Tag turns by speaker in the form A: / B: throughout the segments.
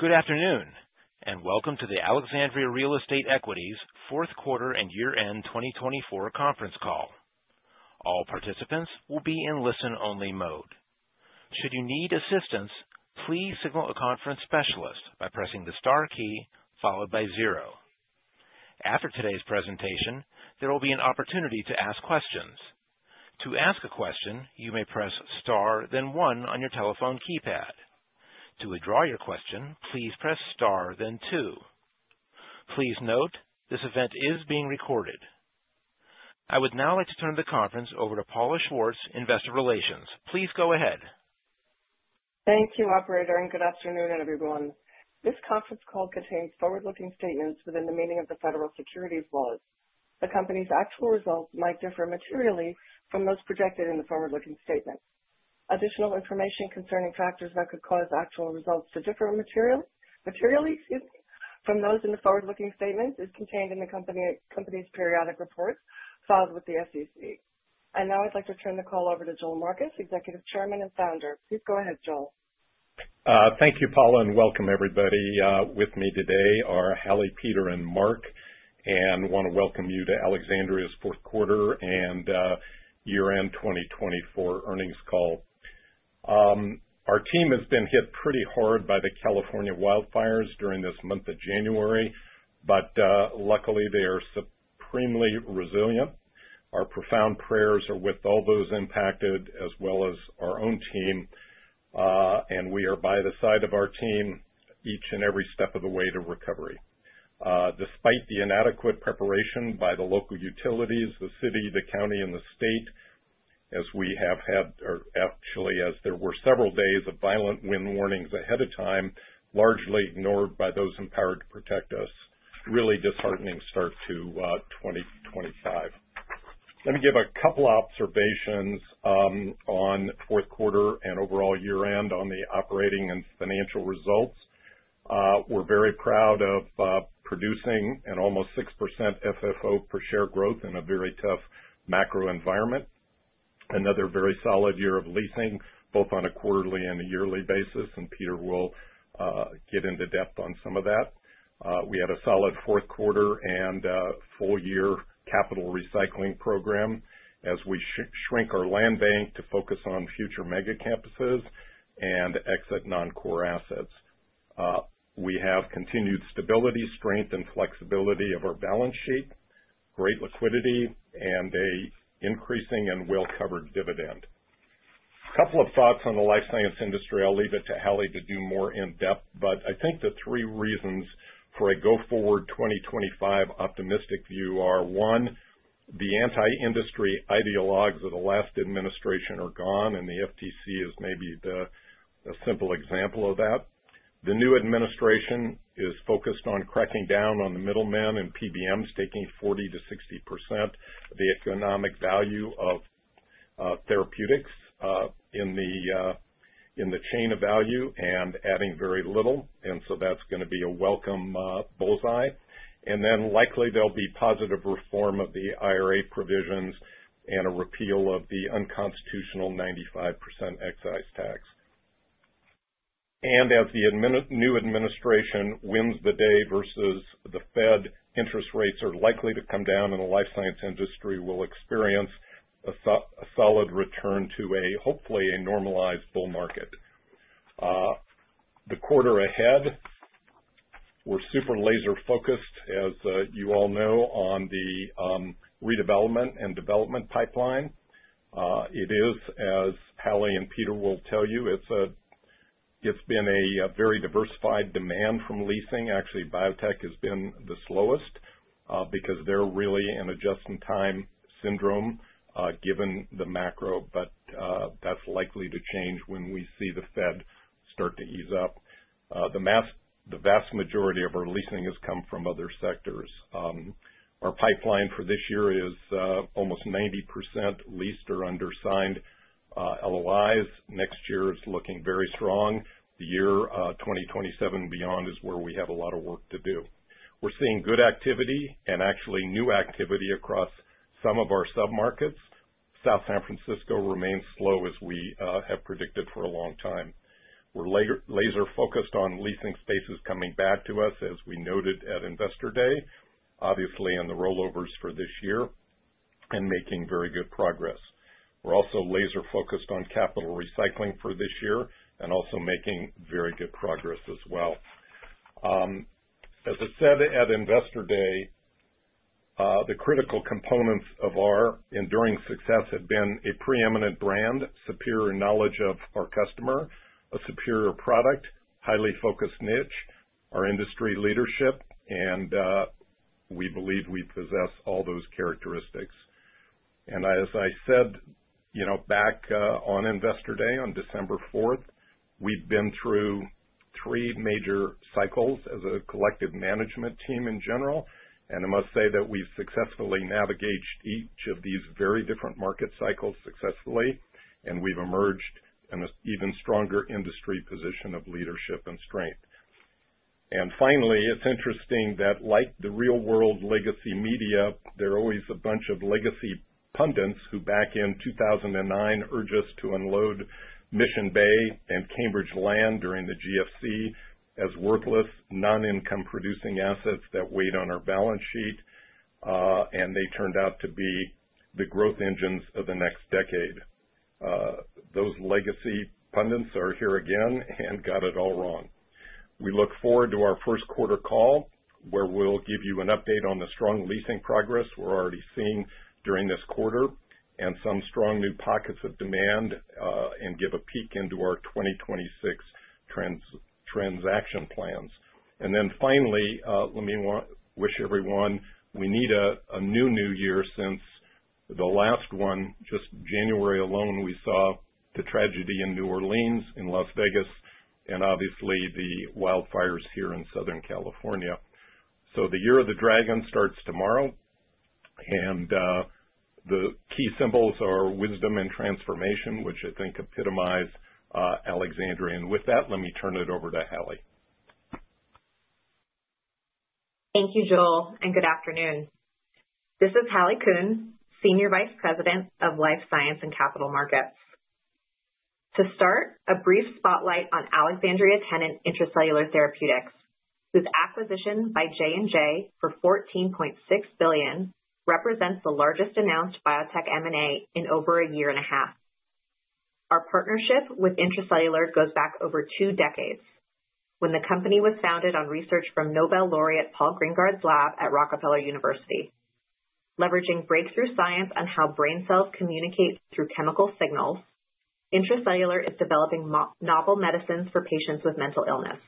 A: Good afternoon, and welcome to the Alexandria Real Estate Equities Fourth Quarter and Year-End 2024 Conference Call. All participants will be in listen-only mode. Should you need assistance, please signal a conference specialist by pressing the star key followed by zero. After today's presentation, there will be an opportunity to ask questions. To ask a question, you may press star, then one on your telephone keypad. To withdraw your question, please press star, then two. Please note, this event is being recorded. I would now like to turn the conference over to Paula Schwartz, Investor Relations. Please go ahead.
B: Thank you, Operator, and good afternoon everyone. This conference call contains forward-looking statements within the meaning of the federal securities laws. The company's actual results might differ materially from those projected in the forward-looking statement. Additional information concerning factors that could cause actual results to differ materially, excuse me, from those in the forward-looking statements is contained in the company's periodic reports filed with the SEC. And now I'd like to turn the call over to Joel Marcus, Executive Chairman and Founder. Please go ahead, Joel.
C: Thank you, Paula, and welcome everybody with me today. Our Hallie, Peter, and Marc want to welcome you to Alexandria's Fourth Quarter and Year End 2024 Earnings Call. Our team has been hit pretty hard by the California wildfires during this month of January, but luckily they are supremely resilient. Our profound prayers are with all those impacted as well as our own team, and we are by the side of our team each and every step of the way to recovery. Despite the inadequate preparation by the local utilities, the city, the county, and the state, as we have had, or actually as there were several days of violent wind warnings ahead of time, largely ignored by those empowered to protect us, really disheartening start to 2025. Let me give a couple of observations on Fourth Quarter and overall year-end on the operating and financial results. We're very proud of producing an almost 6% FFO per share growth in a very tough macro environment. Another very solid year of leasing, both on a quarterly and a yearly basis, and Peter will get into depth on some of that. We had a solid Fourth Quarter and full-year capital recycling program as we shrink our land bank to focus on future mega campuses and exit non-core assets. We have continued stability, strength, and flexibility of our balance sheet, great liquidity, and an increasing and well-covered dividend. A couple of thoughts on the life science industry. I'll leave it to Hallie to do more in depth, but I think the three reasons for a go-forward 2025 optimistic view are: one, the anti-industry ideologues of the last administration are gone, and the FTC is maybe the simple example of that. The new administration is focused on cracking down on the middlemen and PBMs taking 40% to 60% of the economic value of therapeutics in the chain of value and adding very little, and so that's going to be a welcome bullseye, and then likely there'll be positive reform of the IRA provisions and a repeal of the unconstitutional 95% excise tax, and as the new administration wins the day versus the Fed, interest rates are likely to come down, and the life science industry will experience a solid return to a hopefully normalized bull market. The quarter ahead, we're super laser-focused, as you all know, on the redevelopment and development pipeline. It is, as Hallie and Peter will tell you, it's been a very diversified demand from leasing. Actually, biotech has been the slowest because they're really in a just-in-time syndrome given the macro, but that's likely to change when we see the Fed start to ease up. The vast majority of our leasing has come from other sectors. Our pipeline for this year is almost 90% leased or undersigned LOIs. Next year is looking very strong. The year 2027 and beyond is where we have a lot of work to do. We're seeing good activity and actually new activity across some of our sub-markets. South San Francisco remains slow as we have predicted for a long time. We're laser-focused on leasing spaces coming back to us, as we noted at Investor Day, obviously in the rollovers for this year and making very good progress. We're also laser-focused on capital recycling for this year and also making very good progress as well. As I said at Investor Day, the critical components of our enduring success have been a preeminent brand, superior knowledge of our customer, a superior product, highly focused niche, our industry leadership, and we believe we possess all those characteristics, and as I said, you know, back on Investor Day, on December 4th, we've been through three major cycles as a collective management team in general, and I must say that we've successfully navigated each of these very different market cycles successfully, and we've emerged in an even stronger industry position of leadership and strength. And finally, it's interesting that, like the real-world legacy media, there are always a bunch of legacy pundits who back in 2009 urged us to unload Mission Bay and Cambridge land during the GFC as worthless, non-income-producing assets that weighed on our balance sheet, and they turned out to be the growth engines of the next decade. Those legacy pundits are here again and got it all wrong. We look forward to our first quarter call where we'll give you an update on the strong leasing progress we're already seeing during this quarter and some strong new pockets of demand and give a peek into our 2026 transaction plans. And then finally, let me wish everyone, we need a new New Year since the last one, just January alone, we saw the tragedy in New Orleans, in Las Vegas, and obviously the wildfires here in Southern California. The Year of the Dragon starts tomorrow, and the key symbols are wisdom and transformation, which I think epitomize Alexandria. With that, let me turn it over to Hallie.
D: Thank you, Joel, and good afternoon. This is Hallie Kuhn, Senior Vice President of Life Science and Capital Markets. To start, a brief spotlight on Alexandria Tenant Intra-Cellular Therapies, whose acquisition by J&J for $14.6 billion represents the largest announced biotech M&A in over a year and a half. Our partnership with Intra-Cellular goes back over two decades when the company was founded on research from Nobel laureate Paul Greengard's lab at Rockefeller University. Leveraging breakthrough science on how brain cells communicate through chemical signals, Intra-Cellular is developing novel medicines for patients with mental illness,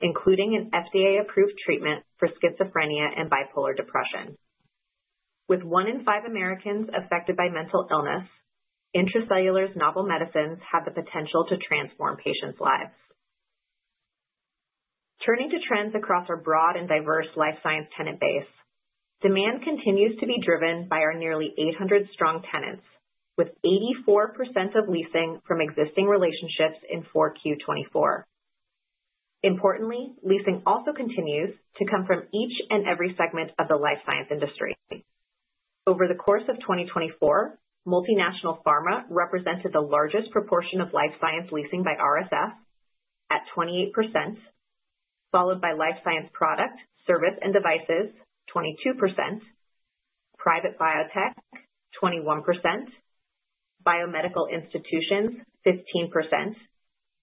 D: including an FDA-approved treatment for schizophrenia and bipolar depression. With one in five Americans affected by mental illness, Intra-Cellular's novel medicines have the potential to transform patients' lives. Turning to trends across our broad and diverse life science tenant base, demand continues to be driven by our nearly 800 strong tenants, with 84% of leasing from existing relationships in 4Q24. Importantly, leasing also continues to come from each and every segment of the life science industry. Over the course of 2024, multinational pharma represented the largest proportion of life science leasing by RSF at 28%, followed by life science product, service, and devices 22%, private biotech 21%, biomedical institutions 15%,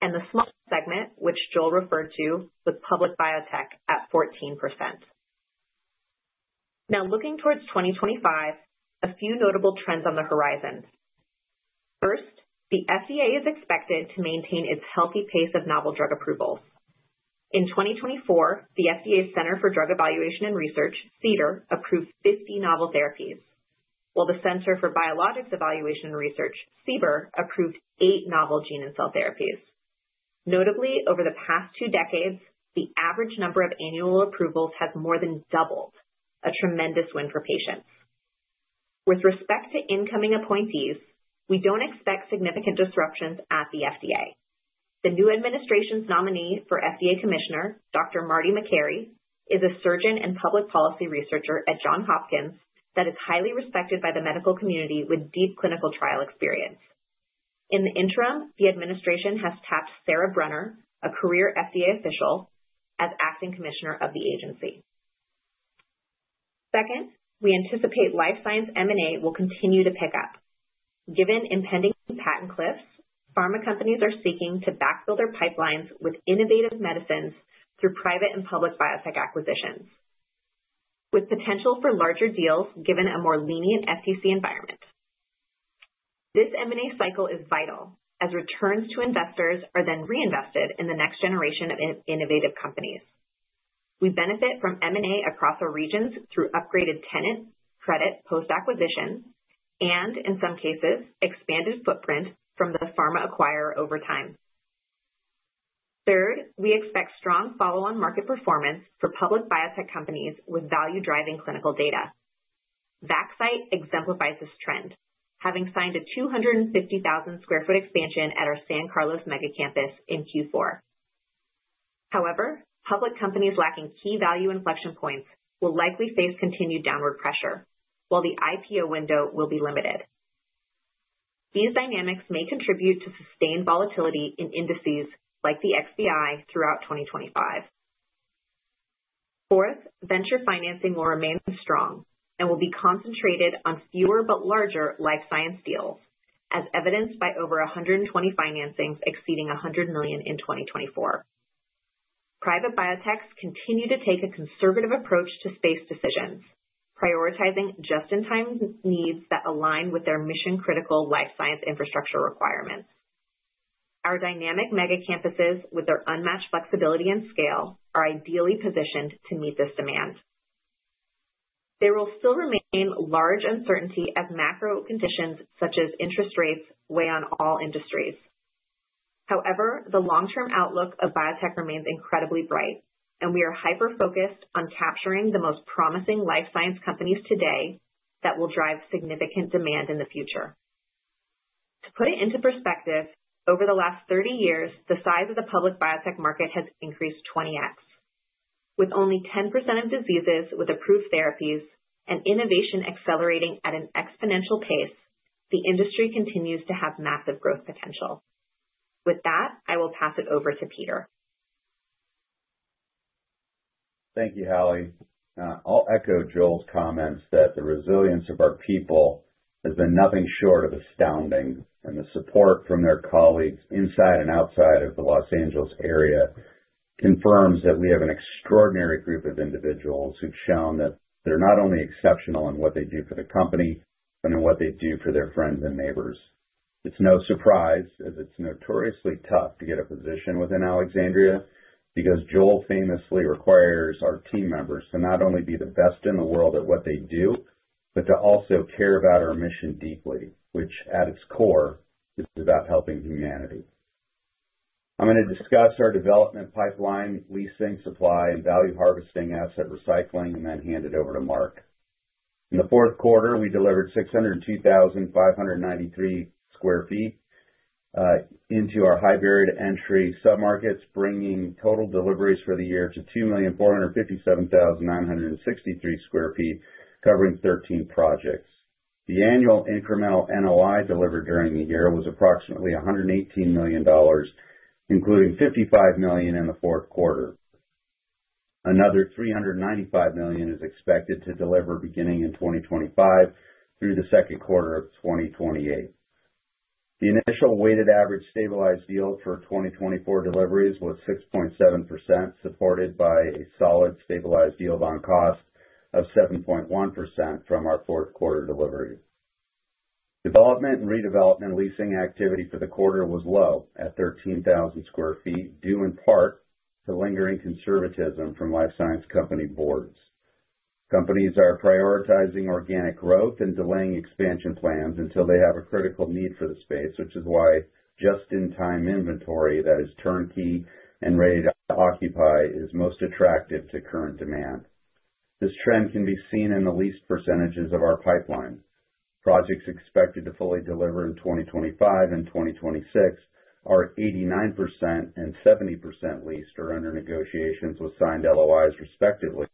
D: and the small segment, which Joel referred to, was public biotech at 14%. Now, looking towards 2025, a few notable trends on the horizon. First, the FDA is expected to maintain its healthy pace of novel drug approvals. In 2024, the FDA's Center for Drug Evaluation and Research, CDER, approved 50 novel therapies, while the Center for Biologics Evaluation and Research, CBER, approved eight novel gene and cell therapies. Notably, over the past two decades, the average number of annual approvals has more than doubled, a tremendous win for patients. With respect to incoming appointees, we don't expect significant disruptions at the FDA. The new administration's nominee for FDA Commissioner, Dr. Marty Makary, is a surgeon and public policy researcher at Johns Hopkins that is highly respected by the medical community with deep clinical trial experience. In the interim, the administration has tapped Sarah Brannon, a career FDA official, as acting commissioner of the agency. Second, we anticipate life science M&A will continue to pick up. Given impending patent cliffs, pharma companies are seeking to backfill their pipelines with innovative medicines through private and public biotech acquisitions, with potential for larger deals given a more lenient FTC environment. This M&A cycle is vital as returns to investors are then reinvested in the next generation of innovative companies. We benefit from M&A across our regions through upgraded tenant, credit, post-acquisition, and in some cases, expanded footprint from the pharma acquirer over time. Third, we expect strong follow-on market performance for public biotech companies with value-driving clinical data. Vaxcyte exemplifies this trend, having signed a 250,000 sq ft expansion at our San Carlos mega campus in Q4. However, public companies lacking key value inflection points will likely face continued downward pressure, while the IPO window will be limited. These dynamics may contribute to sustained volatility in indices like the XBI throughout 2025. Fourth, venture financing will remain strong and will be concentrated on fewer but larger life science deals, as evidenced by over 120 financings exceeding $100 million in 2024. Private biotechs continue to take a conservative approach to space decisions, prioritizing just-in-time needs that align with their mission-critical life science infrastructure requirements. Our dynamic mega campuses, with their unmatched flexibility and scale, are ideally positioned to meet this demand. There will still remain large uncertainty as macro conditions such as interest rates weigh on all industries. However, the long-term outlook of biotech remains incredibly bright, and we are hyper-focused on capturing the most promising life science companies today that will drive significant demand in the future. To put it into perspective, over the last 30 years, the size of the public biotech market has increased 20x. With only 10% of diseases with approved therapies and innovation accelerating at an exponential pace, the industry continues to have massive growth potential. With that, I will pass it over to Peter.
E: Thank you, Hallie. I'll echo Joel's comments that the resilience of our people has been nothing short of astounding, and the support from their colleagues inside and outside of the Los Angeles area confirms that we have an extraordinary group of individuals who've shown that they're not only exceptional in what they do for the company, but in what they do for their friends and neighbors. It's no surprise as it's notoriously tough to get a position within Alexandria because Joel famously requires our team members to not only be the best in the world at what they do, but to also care about our mission deeply, which at its core is about helping humanity. I'm going to discuss our development pipeline, leasing, supply, and value harvesting asset recycling, and then hand it over to Marc. In the fourth quarter, we delivered 602,593 sq ft into our high-barrier-to-entry sub-markets, bringing total deliveries for the year to 2,457,963 sq ft, covering 13 projects. The annual incremental NOI delivered during the year was approximately $118 million, including $55 million in the fourth quarter. Another $395 million is expected to deliver beginning in 2025 through the second quarter of 2028. The initial weighted average stabilized yield for 2024 deliveries was 6.7%, supported by a solid stabilized yield on cost of 7.1% from our fourth quarter delivery. Development and redevelopment leasing activity for the quarter was low at 13,000 sq ft, due in part to lingering conservatism from life science company boards. Companies are prioritizing organic growth and delaying expansion plans until they have a critical need for the space, which is why just-in-time inventory that is turnkey and ready to occupy is most attractive to current demand. This trend can be seen in the leased percentages of our pipeline. Projects expected to fully deliver in 2025 and 2026 are 89% and 70% leased or under negotiations with signed LOIs, respectively,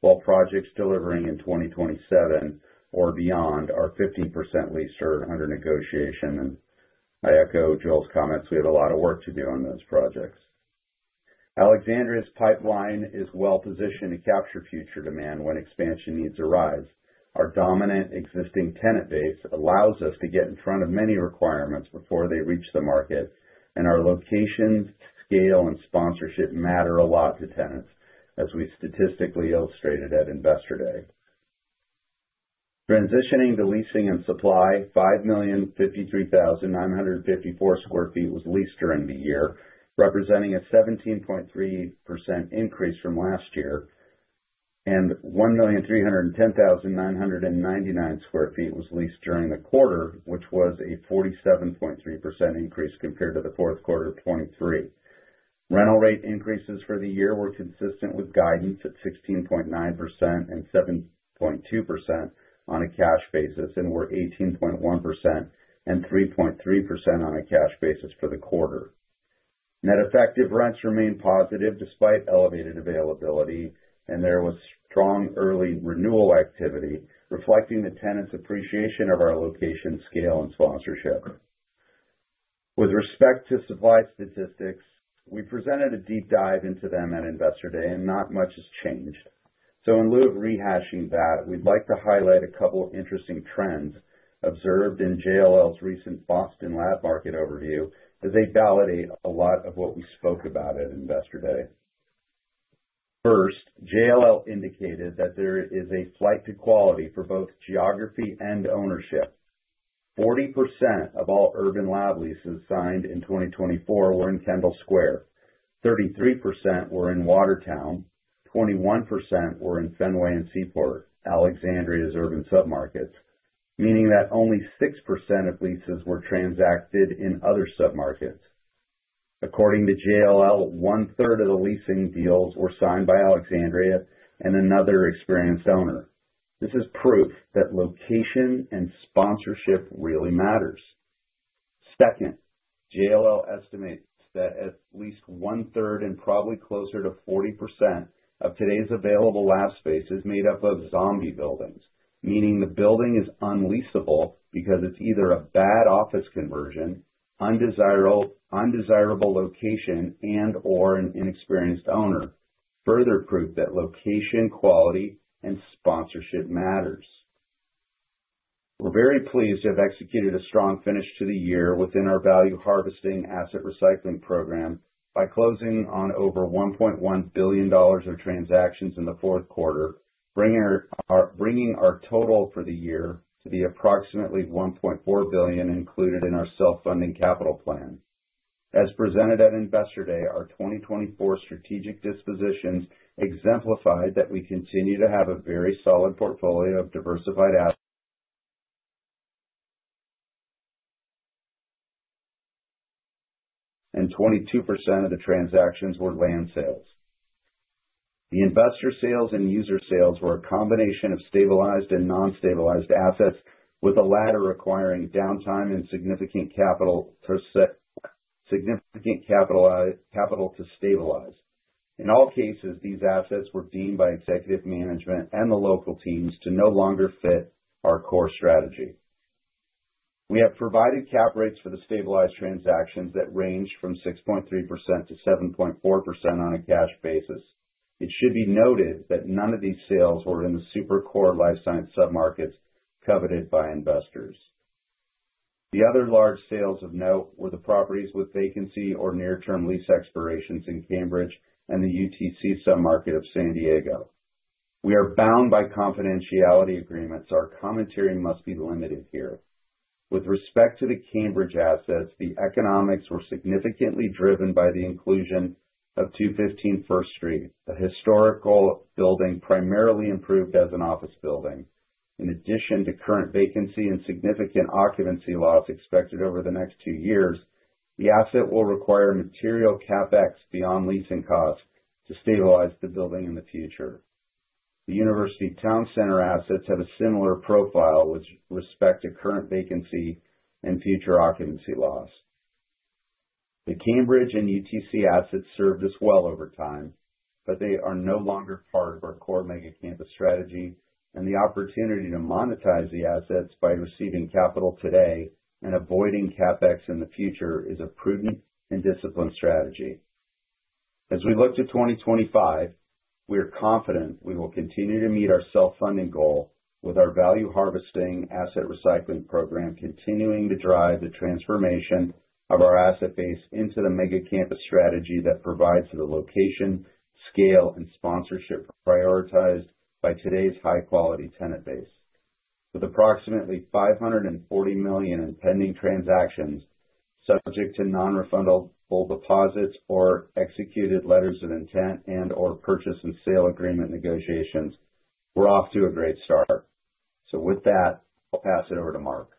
E: while projects delivering in 2027 or beyond are 15% leased or under negotiation, and I echo Joel's comments. We have a lot of work to do on those projects. Alexandria's pipeline is well-positioned to capture future demand when expansion needs arise. Our dominant existing tenant base allows us to get in front of many requirements before they reach the market, and our location, scale, and sponsorship matter a lot to tenants, as we statistically illustrated at Investor Day. Transitioning to leasing and supply, 5,053,954 sq ft was leased during the year, representing a 17.3% increase from last year, and 1,310,999 sq ft was leased during the quarter, which was a 47.3% increase compared to the fourth quarter of 2023. Rental rate increases for the year were consistent with guidance at 16.9% and 7.2% on a cash basis and were 18.1% and 3.3% on a cash basis for the quarter. Net effective rents remained positive despite elevated availability, and there was strong early renewal activity reflecting the tenants' appreciation of our location, scale, and sponsorship. With respect to supply statistics, we presented a deep dive into them at Investor Day, and not much has changed. So in lieu of rehashing that, we'd like to highlight a couple of interesting trends observed in JLL's recent Boston lab market overview as they validate a lot of what we spoke about at Investor Day. First, JLL indicated that there is a flight to quality for both geography and ownership. 40% of all urban lab leases signed in 2024 were in Kendall Square. 33% were in Watertown. 21% were in Fenway and Seaport, Alexandria's urban sub-markets, meaning that only 6% of leases were transacted in other sub-markets. According to JLL, one-third of the leasing deals were signed by Alexandria and another experienced owner. This is proof that location and sponsorship really matters. Second, JLL estimates that at least one-third and probably closer to 40% of today's available lab space is made up of zombie buildings, meaning the building is unleasable because it's either a bad office conversion, undesirable location, and/or an inexperienced owner, further proof that location quality and sponsorship matters. We're very pleased to have executed a strong finish to the year within our value harvesting asset recycling program by closing on over $1.1 billion of transactions in the fourth quarter, bringing our total for the year to be approximately $1.4 billion included in our self-funding capital plan. As presented at Investor Day, our 2024 strategic dispositions exemplified that we continue to have a very solid portfolio of diversified assets, and 22% of the transactions were land sales. The investor sales and user sales were a combination of stabilized and non-stabilized assets, with the latter requiring downtime and significant capital to stabilize. In all cases, these assets were deemed by executive management and the local teams to no longer fit our core strategy. We have provided cap rates for the stabilized transactions that ranged from 6.3% to 7.4% on a cash basis. It should be noted that none of these sales were in the super core life science submarkets coveted by investors. The other large sales of note were the properties with vacancy or near-term lease expirations in Cambridge and the UTC submarket of San Diego. We are bound by confidentiality agreements. Our commentary must be limited here. With respect to the Cambridge assets, the economics were significantly driven by the inclusion of 215 First Street, a historic building primarily improved as an office building. In addition to current vacancy and significant occupancy loss expected over the next two years, the asset will require material CapEx beyond leasing costs to stabilize the building in the future. The University Town Center assets have a similar profile with respect to current vacancy and future occupancy loss. The Cambridge and UTC assets served us well over time, but they are no longer part of our core mega campus strategy, and the opportunity to monetize the assets by receiving capital today and avoiding CapEx in the future is a prudent and disciplined strategy. As we look to 2025, we are confident we will continue to meet our self-funding goal with our value harvesting asset recycling program continuing to drive the transformation of our asset base into the mega campus strategy that provides the location, scale, and sponsorship prioritized by today's high-quality tenant base. With approximately $540 million in pending transactions subject to non-refundable deposits or executed letters of intent and/or purchase and sale agreement negotiations, we're off to a great start. So with that, I'll pass it over to Marc.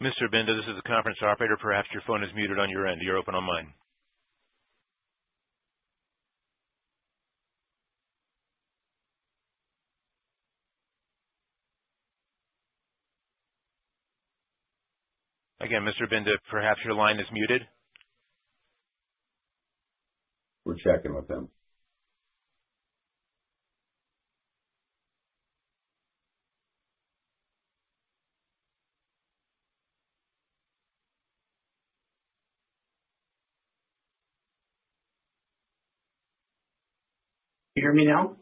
A: Mr. Binda, this is the conference operator. Perhaps your phone is muted on your end. You're open on line. Again, Mr. Binda, perhaps your line is muted.
E: We're checking with him.
F: Can you hear me now?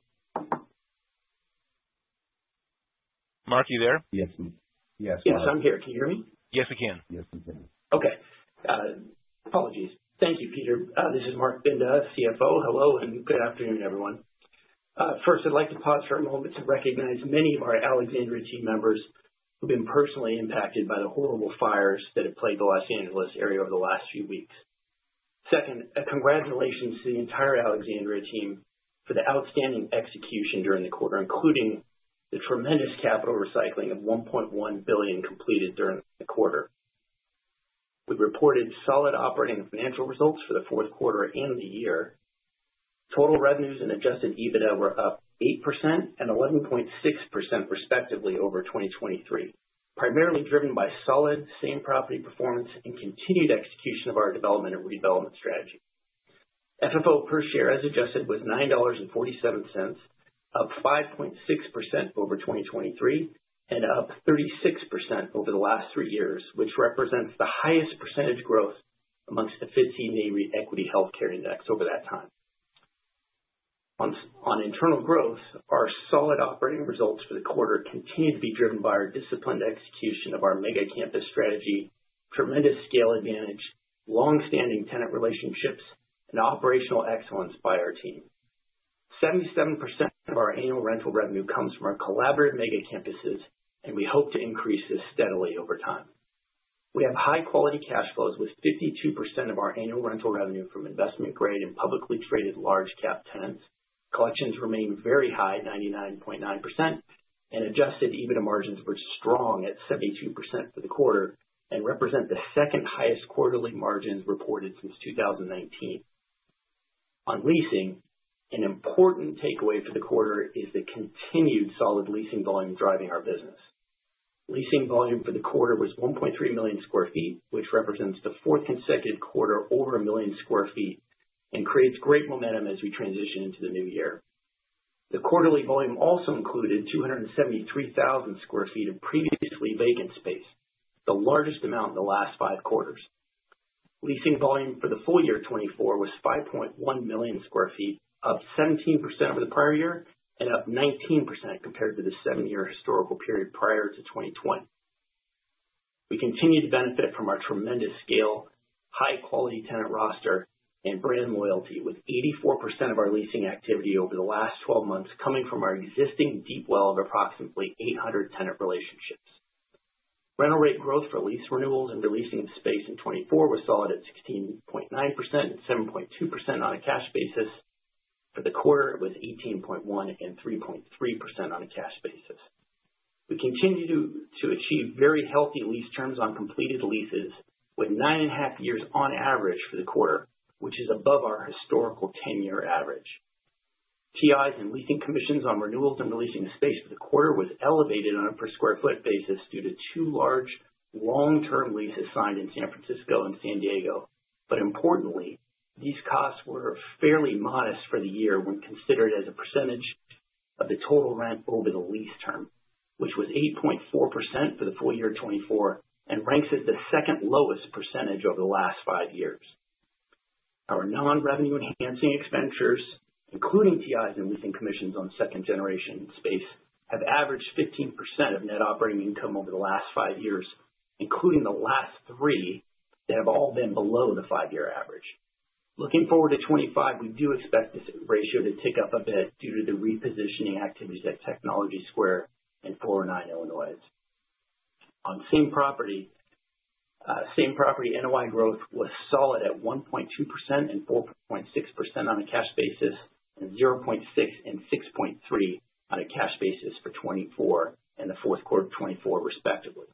E: Marc, are you there?
A: Yes, sir.
F: Yes, I'm here. Can you hear me?
A: Yes, we can.
E: Yes, we can.
F: Okay. Apologies. Thank you, Peter. This is Marc Binda, CFO. Hello, and good afternoon, everyone. First, I'd like to pause for a moment to recognize many of our Alexandria team members who've been personally impacted by the horrible fires that have plagued the Los Angeles area over the last few weeks. Second, congratulations to the entire Alexandria team for the outstanding execution during the quarter, including the tremendous capital recycling of $1.1 billion completed during the quarter. We reported solid operating and financial results for the fourth quarter and the year. Total revenues and adjusted EBITDA were up 8% and 11.6% respectively over 2023, primarily driven by solid same property performance and continued execution of our development and redevelopment strategy. FFO per share as adjusted was $9.47, up 5.6% over 2023 and up 36% over the last three years, which represents the highest percentage growth amongst the FTSE Nareit Equity Health Index over that time. On internal growth, our solid operating results for the quarter continue to be driven by our disciplined execution of our mega campus strategy, tremendous scale advantage, long-standing tenant relationships, and operational excellence by our team. 77% of our annual rental revenue comes from our collaborative mega campuses, and we hope to increase this steadily over time. We have high-quality cash flows with 52% of our annual rental revenue from investment-grade and publicly traded large-cap tenants. Collections remain very high, 99.9%, and adjusted EBITDA margins were strong at 72% for the quarter and represent the second highest quarterly margins reported since 2019. On leasing, an important takeaway for the quarter is the continued solid leasing volume driving our business. Leasing volume for the quarter was 1.3 million sq ft, which represents the fourth consecutive quarter over a million sq ft and creates great momentum as we transition into the new year. The quarterly volume also included 273,000 sq ft of previously vacant space, the largest amount in the last five quarters. Leasing volume for the full year 2024 was 5.1 million sq ft, up 17% over the prior year and up 19% compared to the seven-year historical period prior to 2020. We continue to benefit from our tremendous scale, high-quality tenant roster, and brand loyalty, with 84% of our leasing activity over the last 12 months coming from our existing deep well of approximately 800 tenant relationships. Rental rate growth for lease renewals and releasing space in 2024 was solid at 16.9% and 7.2% on a cash basis. For the quarter, it was 18.1% and 3.3% on a cash basis. We continue to achieve very healthy lease terms on completed leases with nine and a half years on average for the quarter, which is above our historical 10-year average. TIs and leasing commissions on renewals and releasing space for the quarter were elevated on a per sq ft basis due to two large long-term leases signed in San Francisco and San Diego. But importantly, these costs were fairly modest for the year when considered as a percentage of the total rent over the lease term, which was 8.4% for the full year 2024 and ranks as the second lowest percentage over the last five years. Our non-revenue enhancing expenditures, including TIs and leasing commissions on second-generation space, have averaged 15% of net operating income over the last five years, including the last three that have all been below the five-year average. Looking forward to 2025, we do expect this ratio to tick up a bit due to the repositioning activities at Technology Square and 409 Illinois. On same property, NOI growth was solid at 1.2% and 4.6% on a cash basis and 0.6% and 6.3% on a cash basis for 2024 and the fourth quarter of 2024, respectively,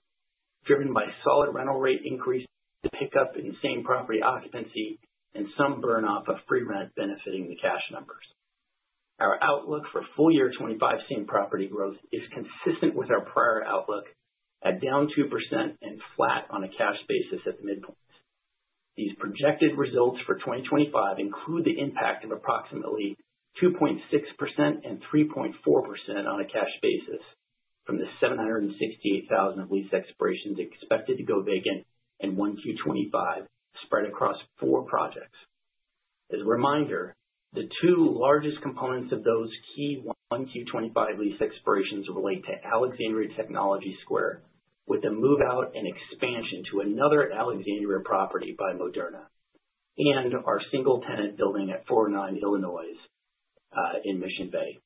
F: driven by solid rental rate increase, the pickup in same property occupancy, and some burn-off of free rent benefiting the cash numbers. Our outlook for full year 2025 same property growth is consistent with our prior outlook at down 2% and flat on a cash basis at the midpoint. These projected results for 2025 include the impact of approximately 2.6% and 3.4% on a cash basis from the 768,000 of lease expirations expected to go vacant in 1Q25 spread across four projects. As a reminder, the two largest components of those key 1Q25 lease expirations relate to Alexandria Technology Square with a move-out and expansion to another Alexandria property by Moderna and our single tenant building at 409 Illinois in Mission Bay.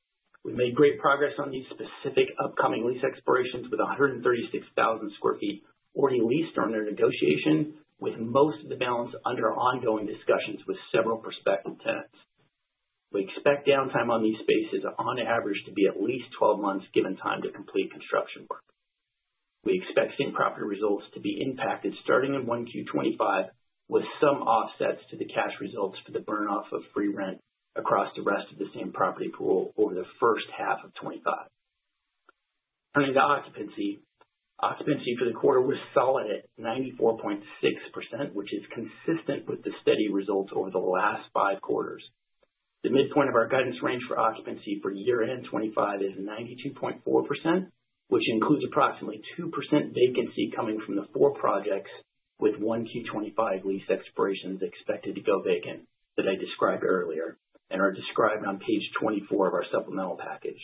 F: We've made great progress on these specific upcoming lease expirations with 136,000 sq ft already leased under negotiation, with most of the balance under ongoing discussions with several prospective tenants. We expect downtime on these spaces on average to be at least 12 months given time to complete construction work. We expect same property results to be impacted starting in 1Q25 with some offsets to the cash results for the burn-off of free rent across the rest of the same property pool over the first half of 2025. Turning to occupancy, occupancy for the quarter was solid at 94.6%, which is consistent with the steady results over the last five quarters. The midpoint of our guidance range for occupancy for year-end 2025 is 92.4%, which includes approximately 2% vacancy coming from the four projects with 1Q25 lease expirations expected to go vacant that I described earlier and are described on page 24 of our supplemental package.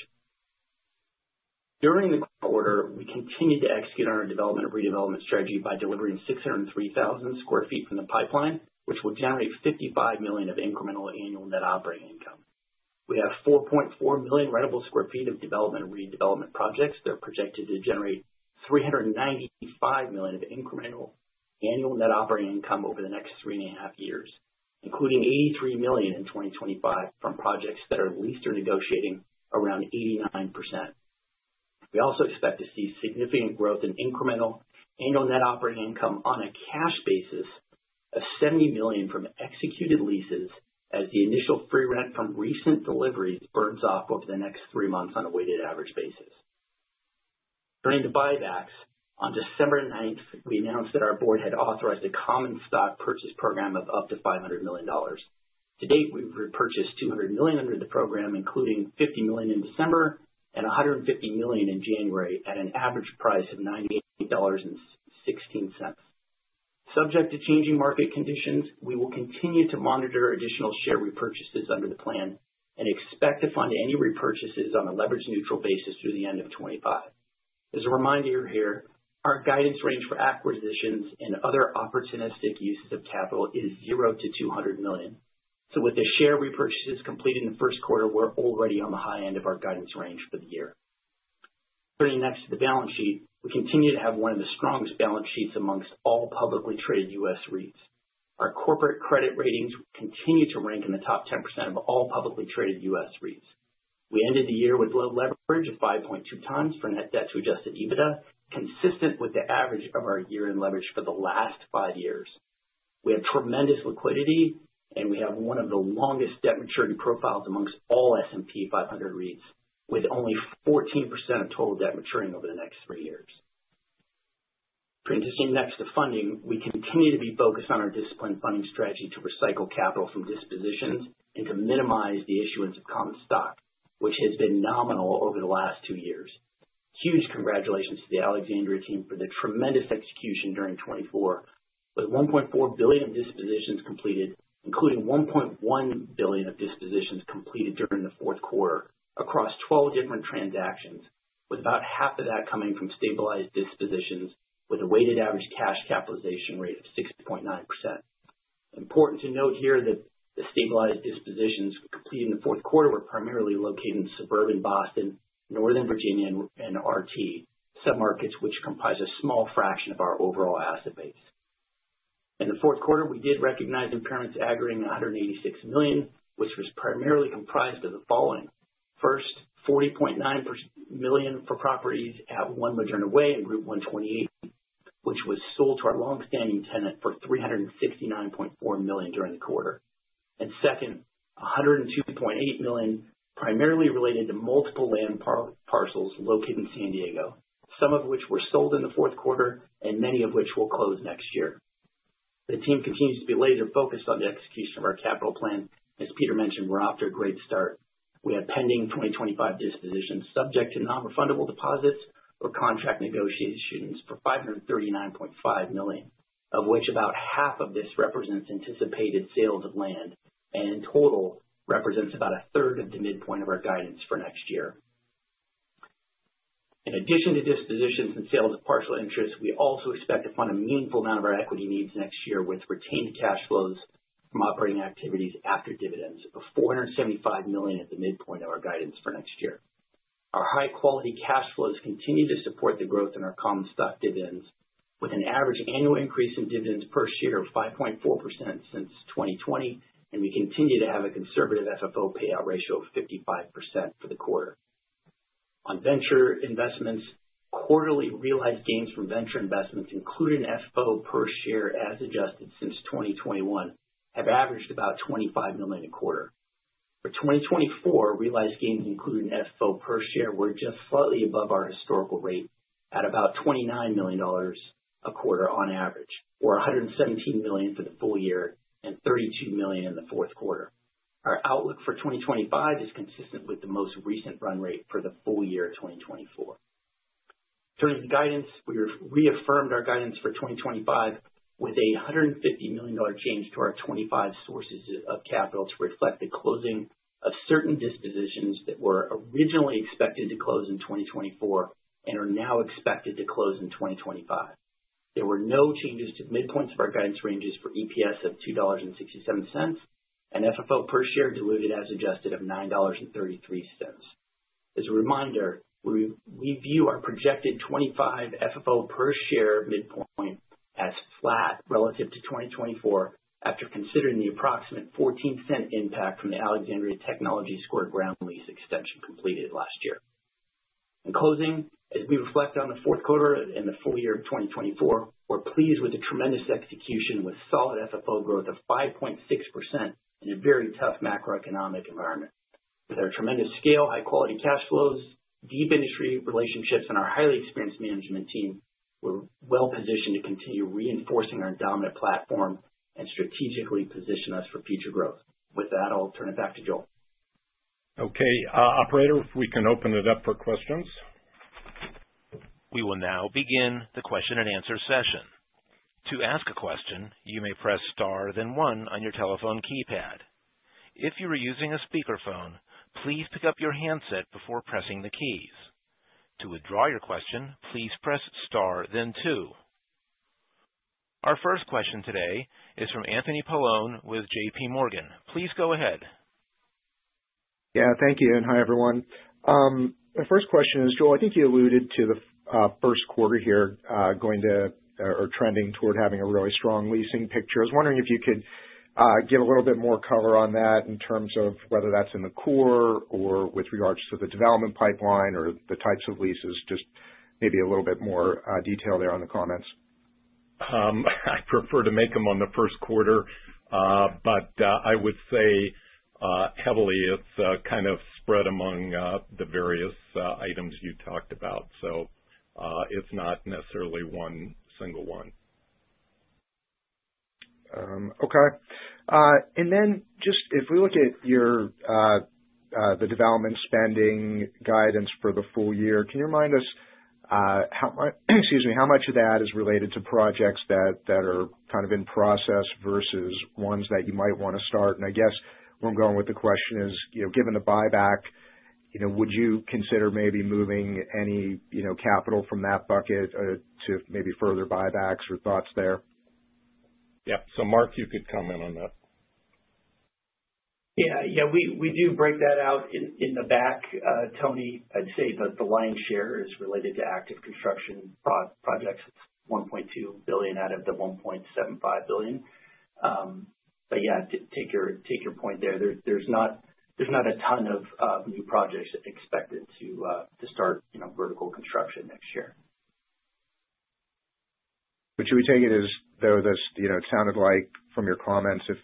F: During the quarter, we continued to execute on our development and redevelopment strategy by delivering 603,000 sq ft from the pipeline, which will generate $55 million of incremental annual net operating income. We have 4.4 million rentable sq ft of development and redevelopment projects that are projected to generate $395 million of incremental annual net operating income over the next three and a half years, including $83 million in 2025 from projects that are leased or negotiating around 89%. We also expect to see significant growth in incremental annual net operating income on a cash basis of $70 million from executed leases as the initial free rent from recent deliveries burns off over the next three months on a weighted average basis. Turning to buybacks, on December 9th, we announced that our board had authorized a common stock purchase program of up to $500 million. To date, we've repurchased $200 million under the program, including $50 million in December and $150 million in January at an average price of $98.16. Subject to changing market conditions, we will continue to monitor additional share repurchases under the plan and expect to fund any repurchases on a leveraged neutral basis through the end of 2025. As a reminder here, our guidance range for acquisitions and other opportunistic uses of capital is $0 to $200 million. So with the share repurchases completed in the first quarter, we're already on the high end of our guidance range for the year. Turning next to the balance sheet, we continue to have one of the strongest balance sheets among all publicly traded U.S. REITs. Our corporate credit ratings continue to rank in the top 10% of all publicly traded U.S. REITs. We ended the year with low leverage of 5.2 times for net debt to Adjusted EBITDA, consistent with the average of our year-end leverage for the last five years. We have tremendous liquidity, and we have one of the longest debt maturity profiles amongst all S&P 500 REITs, with only 14% of total debt maturing over the next three years. Transitioning next to funding, we continue to be focused on our disciplined funding strategy to recycle capital from dispositions and to minimize the issuance of common stock, which has been nominal over the last two years. Huge congratulations to the Alexandria team for the tremendous execution during 2024 with $1.4 billion of dispositions completed, including $1.1 billion of dispositions completed during the fourth quarter across 12 different transactions, with about half of that coming from stabilized dispositions with a weighted average cash capitalization rate of 6.9%. Important to note here that the stabilized dispositions completed in the fourth quarter were primarily located in Suburban Boston, Northern Virginia, and RTP, submarkets which comprise a small fraction of our overall asset base. In the fourth quarter, we did recognize impairments aggregating $186 million, which was primarily comprised of the following: first, $40.9 million for properties at One Moderna Way and Route 128, which was sold to our longstanding tenant for $369.4 million during the quarter, and second, $102.8 million, primarily related to multiple land parcels located in San Diego, some of which were sold in the fourth quarter and many of which will close next year. The team continues to be laser-focused on the execution of our capital plan. As Peter mentioned, we're off to a great start. We have pending 2025 dispositions subject to non-refundable deposits or contract negotiations for $539.5 million, of which about half of this represents anticipated sales of land and in total represents about a third of the midpoint of our guidance for next year. In addition to dispositions and sales of partial interest, we also expect to fund a meaningful amount of our equity needs next year with retained cash flows from operating activities after dividends of $475 million at the midpoint of our guidance for next year. Our high-quality cash flows continue to support the growth in our common stock dividends, with an average annual increase in dividends per share of 5.4% since 2020, and we continue to have a conservative FFO payout ratio of 55% for the quarter. On venture investments, quarterly realized gains from venture investments, including FFO per share as adjusted since 2021, have averaged about $25 million a quarter. For 2024, realized gains included in FFO per share were just slightly above our historical rate at about $29 million a quarter on average, or $117 million for the full year and $32 million in the fourth quarter. Our outlook for 2025 is consistent with the most recent run rate for the full year 2024. Turning to guidance, we reaffirmed our guidance for 2025 with a $150 million change to our 25 sources of capital to reflect the closing of certain dispositions that were originally expected to close in 2024 and are now expected to close in 2025. There were no changes to midpoints of our guidance ranges for EPS of $2.67 and FFO per share diluted as adjusted of $9.33. As a reminder, we view our projected 2025 FFO per share midpoint as flat relative to 2024 after considering the approximate 14% impact from the Alexandria Technology Square ground lease extension completed last year. In closing, as we reflect on the fourth quarter and the full year of 2024, we're pleased with the tremendous execution with solid FFO growth of 5.6% in a very tough macroeconomic environment. With our tremendous scale, high-quality cash flows, deep industry relationships, and our highly experienced management team, we're well positioned to continue reinforcing our dominant platform and strategically position us for future growth. With that, I'll turn it back to Joel.
C: Okay, Operator, if we can open it up for questions.
A: We will now begin the question and answer session. To ask a question, you may press star, then one on your telephone keypad. If you are using a speakerphone, please pick up your handset before pressing the keys. To withdraw your question, please press star, then two. Our first question today is from Anthony Paolone with JPMorgan. Please go ahead.
G: Yeah, thank you. And hi, everyone. The first question is, Joel, I think you alluded to the first quarter here going to or trending toward having a really strong leasing picture. I was wondering if you could give a little bit more color on that in terms of whether that's in the core or with regards to the development pipeline or the types of leases, just maybe a little bit more detail there on the comments.
C: I prefer to make them on the first quarter, but I would say heavily it's kind of spread among the various items you talked about. So it's not necessarily one single one.
G: Okay. And then, just if we look at the development spending guidance for the full year, can you remind us how much of that is related to projects that are kind of in process versus ones that you might want to start? And I guess where I'm going with the question is, given the buyback, would you consider maybe moving any capital from that bucket to maybe further buybacks or thoughts there?
C: Yep. So Marc, you could comment on that.
F: Yeah. Yeah, we do break that out in the back. Tony, I'd say the lion's share is related to active construction projects. It's $1.2 billion out of the $1.75 billion. But yeah, to take your point there, there's not a ton of new projects expected to start vertical construction next year.
G: But should we take it as though it sounded like from your comments, if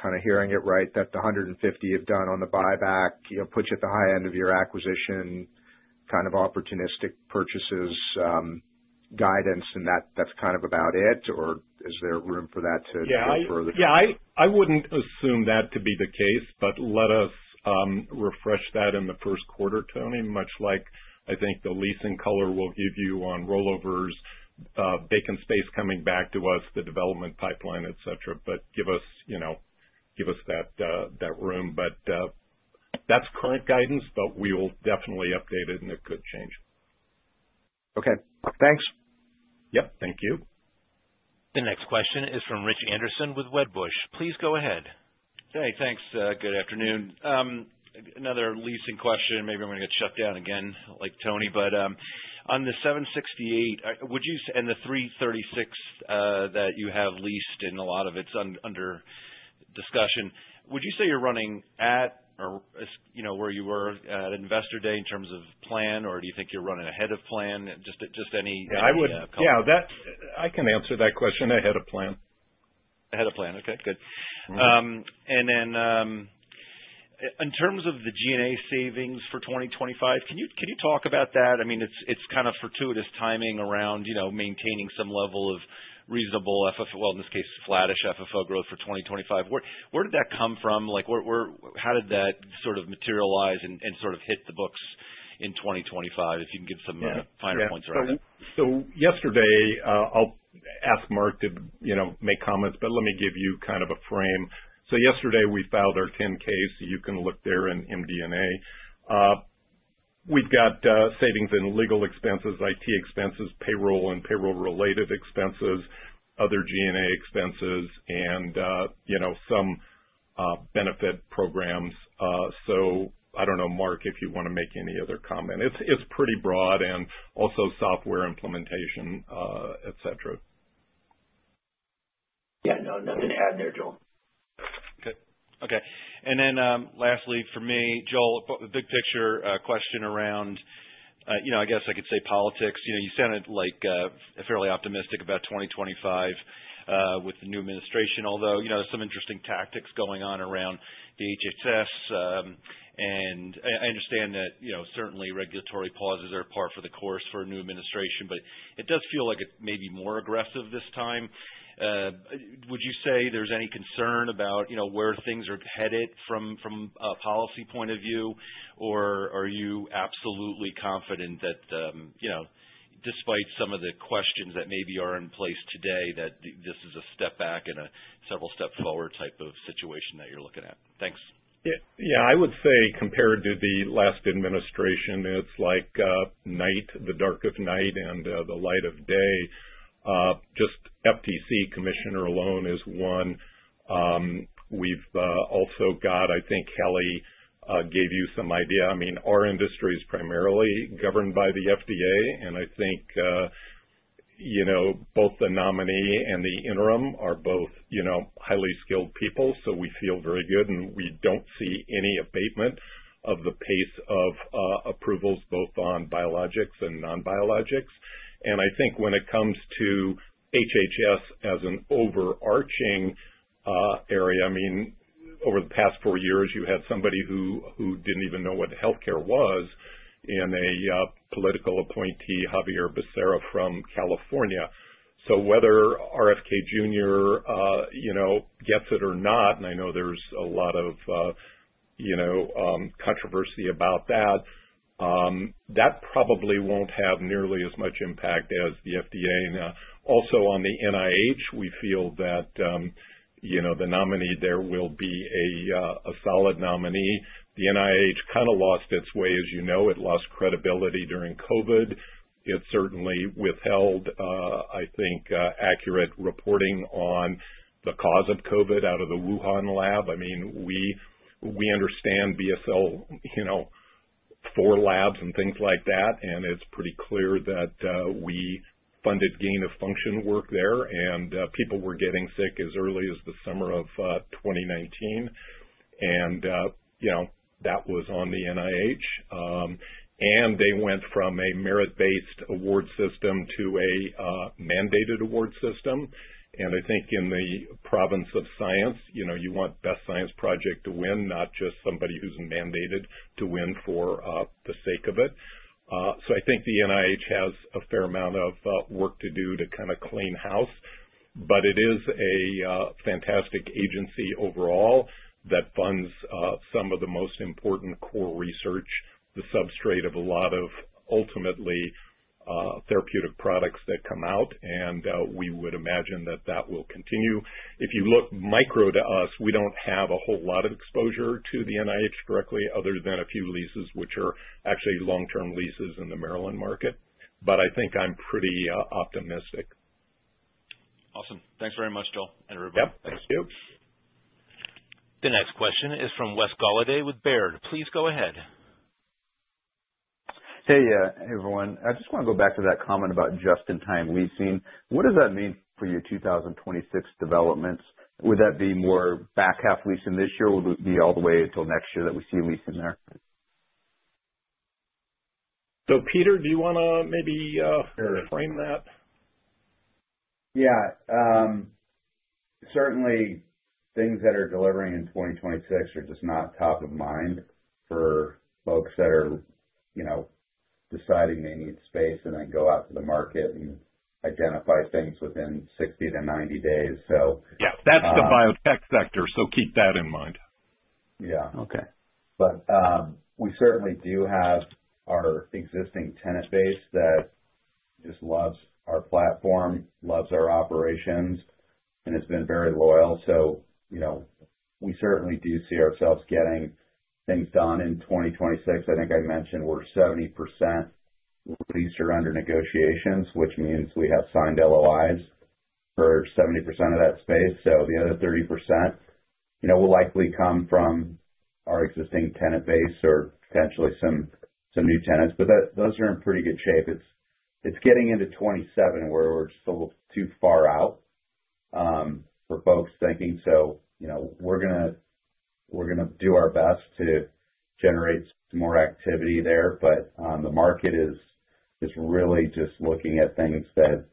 G: kind of hearing it right, that the 150 you've done on the buyback puts you at the high end of your acquisition kind of opportunistic purchases guidance, and that's kind of about it? Or is there room for that to be further?
C: Yeah, I wouldn't assume that to be the case, but let us refresh that in the first quarter, Tony, much like I think the leasing color will give you on rollovers, vacant space coming back to us, the development pipeline, etc., but give us that room. But that's current guidance, but we will definitely update it, and it could change.
G: Okay. Thanks.
C: Yep. Thank you. The next question is from Rich Anderson with Wedbush. Please go ahead.
H: Hey, thanks. Good afternoon. Another leasing question. Maybe I'm going to get shut down again like Tony, but on the 768, and the 336 that you have leased, and a lot of it's under discussion, would you say you're running at or where you were at Investor Day in terms of plan, or do you think you're running ahead of plan? Just any idea.
C: Yeah, I can answer that question ahead of plan. Ahead of plan.
H: Okay. Good. And then in terms of the G&A savings for 2025, can you talk about that? I mean, it's kind of fortuitous timing around maintaining some level of reasonable, well, in this case, flattish FFO growth for 2025. Where did that come from? How did that sort of materialize and sort of hit the books in 2025, if you can give some finer points around that?
C: So yesterday, I'll ask Marc to make comments, but let me give you kind of a frame. So yesterday, we filed our 10-K, so you can look there in MD&A. We've got savings in legal expenses, IT expenses, payroll and payroll-related expenses, other G&A expenses, and some benefit programs. So I don't know, Marc, if you want to make any other comment. It's pretty broad and also software implementation, etc.
F: Yeah. No, nothing to add there, Joel.
C: Okay.
H: Okay. And then lastly, for me, Joel, a big picture question around, I guess I could say politics. You sounded fairly optimistic about 2025 with the new administration, although there's some interesting tactics going on around the HHS. And I understand that certainly regulatory pauses are part of the course for a new administration, but it does feel like it may be more aggressive this time. Would you say there's any concern about where things are headed from a policy point of view, or are you absolutely confident that despite some of the questions that maybe are in place today, that this is a step back and a several-step forward type of situation that you're looking at? Thanks.
C: Yeah. I would say compared to the last administration, it's like night, the dark of night, and the light of day. Just FTC Commissioner alone is one. We've also got, I think Hallie gave you some idea. I mean, our industry is primarily governed by the FDA, and I think both the nominee and the interim are both highly skilled people, so we feel very good, and we don't see any abatement of the pace of approvals both on biologics and non-biologics. I think when it comes to HHS as an overarching area, I mean, over the past four years, you had somebody who didn't even know what healthcare was and a political appointee, Xavier Becerra from California. So whether RFK Jr. gets it or not, and I know there's a lot of controversy about that, that probably won't have nearly as much impact as the FDA. And also on the NIH, we feel that the nominee there will be a solid nominee. The NIH kind of lost its way, as you know. It lost credibility during COVID. It certainly withheld, I think, accurate reporting on the cause of COVID out of the Wuhan lab. I mean, we understand BSL for labs and things like that, and it's pretty clear that we funded gain-of-function work there, and people were getting sick as early as the summer of 2019. That was on the NIH, and they went from a merit-based award system to a mandated award system. I think in the province of science, you want best science project to win, not just somebody who's mandated to win for the sake of it. So I think the NIH has a fair amount of work to do to kind of clean house, but it is a fantastic agency overall that funds some of the most important core research, the substrate of a lot of ultimately therapeutic products that come out, and we would imagine that that will continue. If you look micro to us, we don't have a whole lot of exposure to the NIH directly other than a few leases, which are actually long-term leases in the Maryland market, but I think I'm pretty optimistic.
H: Awesome. Thanks very much, Joel, and everybody.
C: Yep. Thanks. Thank you.
A: The next question is from Wes Golliday with Baird. Please go ahead.
I: Hey, everyone. I just want to go back to that comment about just-in-time leasing. What does that mean for your 2026 developments? Would that be more back half leasing this year, or would it be all the way until next year that we see leasing there?
C: So Peter, do you want to maybe frame that?
E: Yeah. Certainly, things that are delivering in 2026 are just not top of mind for folks that are deciding they need space and then go out to the market and identify things within 60 to 90 days. So.
C: Yeah, that's the biotech sector, so keep that in mind.
E: Yeah. Okay. But we certainly do have our existing tenant base that just loves our platform, loves our operations, and has been very loyal. So we certainly do see ourselves getting things done in 2026. I think I mentioned we're 70% leased or under negotiations, which means we have signed LOIs for 70% of that space. So the other 30% will likely come from our existing tenant base or potentially some new tenants, but those are in pretty good shape. It's getting into 2027 where we're still too far out for folks thinking. So we're going to do our best to generate some more activity there, but the market is really just looking at things that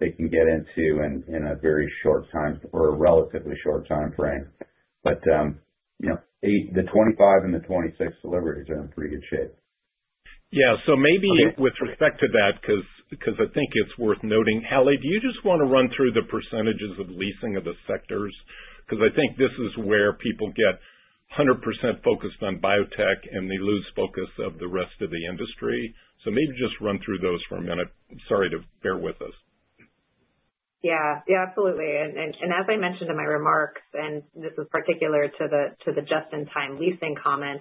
E: they can get into in a very short time or a relatively short time frame. But the 2025 and the 2026 deliveries are in pretty good shape.
C: Yeah. So maybe with respect to that, because I think it's worth noting, Hallie, do you just want to run through the percentages of leasing of the sectors? Because I think this is where people get 100% focused on biotech, and they lose focus of the rest of the industry, so maybe just run through those for a minute. Sorry to bear with us.
D: Yeah. Yeah, absolutely, and as I mentioned in my remarks, and this is particular to the just-in-time leasing comment,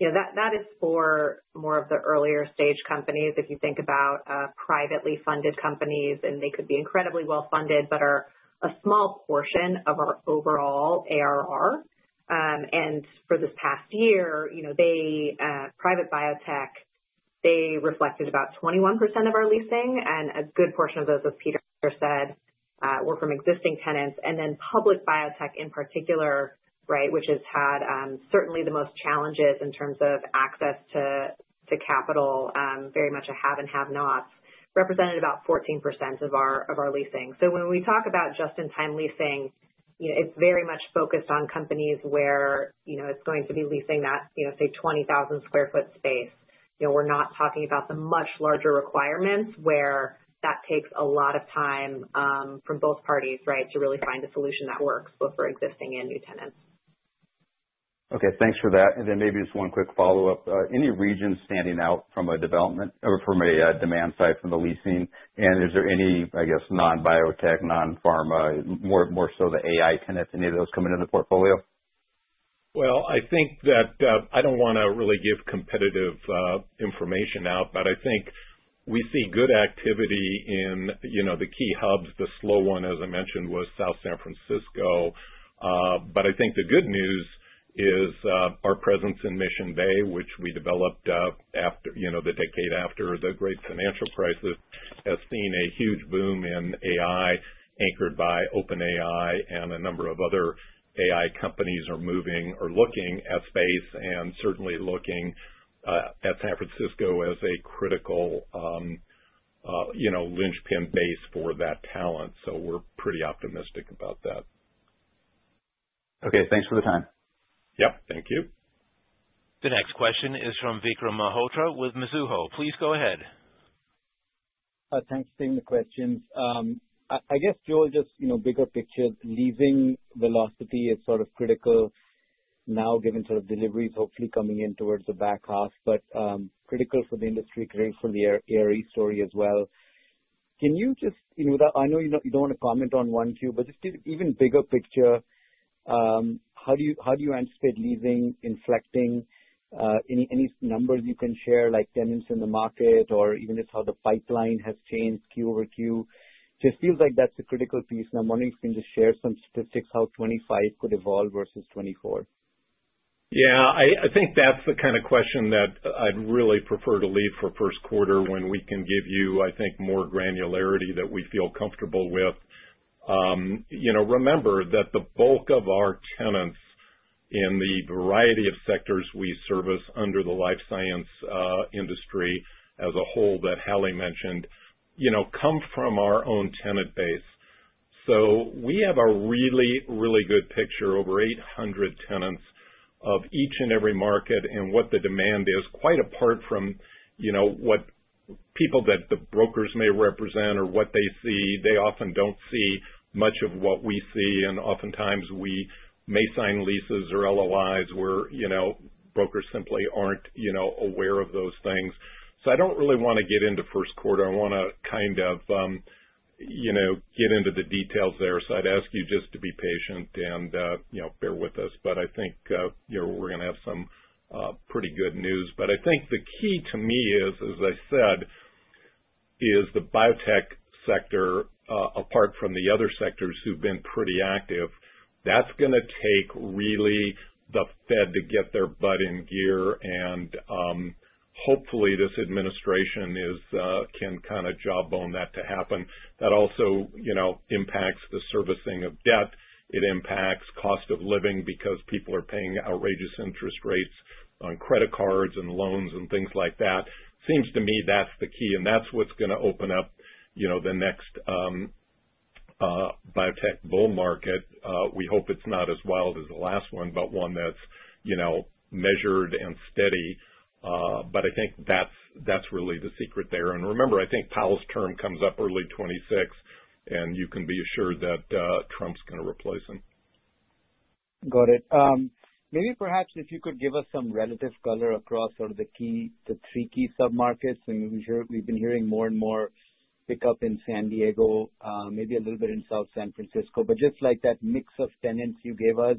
D: that is for more of the earlier stage companies. If you think about privately funded companies, and they could be incredibly well funded, but are a small portion of our overall ARR, and for this past year, private biotech, they reflected about 21% of our leasing, and a good portion of those, as Peter said, were from existing tenants, and then public biotech in particular, right, which has had certainly the most challenges in terms of access to capital, very much a haves and have-nots, represented about 14% of our leasing. When we talk about just-in-time leasing, it's very much focused on companies where it's going to be leasing that, say, 20,000 sq ft space. We're not talking about the much larger requirements where that takes a lot of time from both parties, right, to really find a solution that works both for existing and new tenants.
I: Okay. Thanks for that. And then maybe just one quick follow-up. Any regions standing out from a development or from a demand side from the leasing? And is there any, I guess, non-biotech, non-pharma, more so the AI tenants, any of those coming into the portfolio?
C: Well, I think that I don't want to really give competitive information out, but I think we see good activity in the key hubs. The slow one, as I mentioned, was South San Francisco. But I think the good news is our presence in Mission Bay, which we developed the decade after the great financial crisis, has seen a huge boom in AI anchored by OpenAI, and a number of other AI companies are moving or looking at space and certainly looking at San Francisco as a critical linchpin base for that talent. So we're pretty optimistic about that.
I: Okay. Thanks for the time.
C: Yep. Thank you.
A: The next question is from Vikram Malhotra with Mizuho. Please go ahead.
J: Thanks for taking the questions. I guess, Joel, just bigger picture, leasing velocity is sort of critical now given sort of deliveries hopefully coming in towards the back half, but critical for the industry, critical for the ARE story as well. Can you just, I know you don't want to comment on Q1, but just even bigger picture, how do you anticipate leasing inflecting? Any numbers you can share, like tenants in the market or even just how the pipeline has changed Q over Q? Just feels like that's a critical piece, and I'm wondering if you can just share some statistics how 2025 could evolve versus 2024.
C: Yeah. I think that's the kind of question that I'd really prefer to leave for first quarter when we can give you, I think, more granularity that we feel comfortable with. Remember that the bulk of our tenants in the variety of sectors we service under the life science industry as a whole that Hallie mentioned come from our own tenant base. So we have a really, really good picture over 800 tenants of each and every market and what the demand is, quite apart from what people that the brokers may represent or what they see. They often don't see much of what we see, and oftentimes we may sign leases or LOIs where brokers simply aren't aware of those things, so I don't really want to get into first quarter. I want to kind of get into the details there, so I'd ask you just to be patient and bear with us, but I think we're going to have some pretty good news, but I think the key to me is, as I said, is the biotech sector, apart from the other sectors who've been pretty active, that's going to take really the Fed to get their butt in gear, and hopefully, this administration can kind of jawbone that to happen. That also impacts the servicing of debt. It impacts cost of living because people are paying outrageous interest rates on credit cards and loans and things like that. Seems to me that's the key, and that's what's going to open up the next biotech bull market. We hope it's not as wild as the last one, but one that's measured and steady. But I think that's really the secret there. And remember, I think Powell's term comes up early 2026, and you can be assured that Trump's going to replace him.
J: Got it. Maybe perhaps if you could give us some relative color across sort of the three key submarkets. We've been hearing more and more pickup in San Diego, maybe a little bit in South San Francisco. But just like that mix of tenants you gave us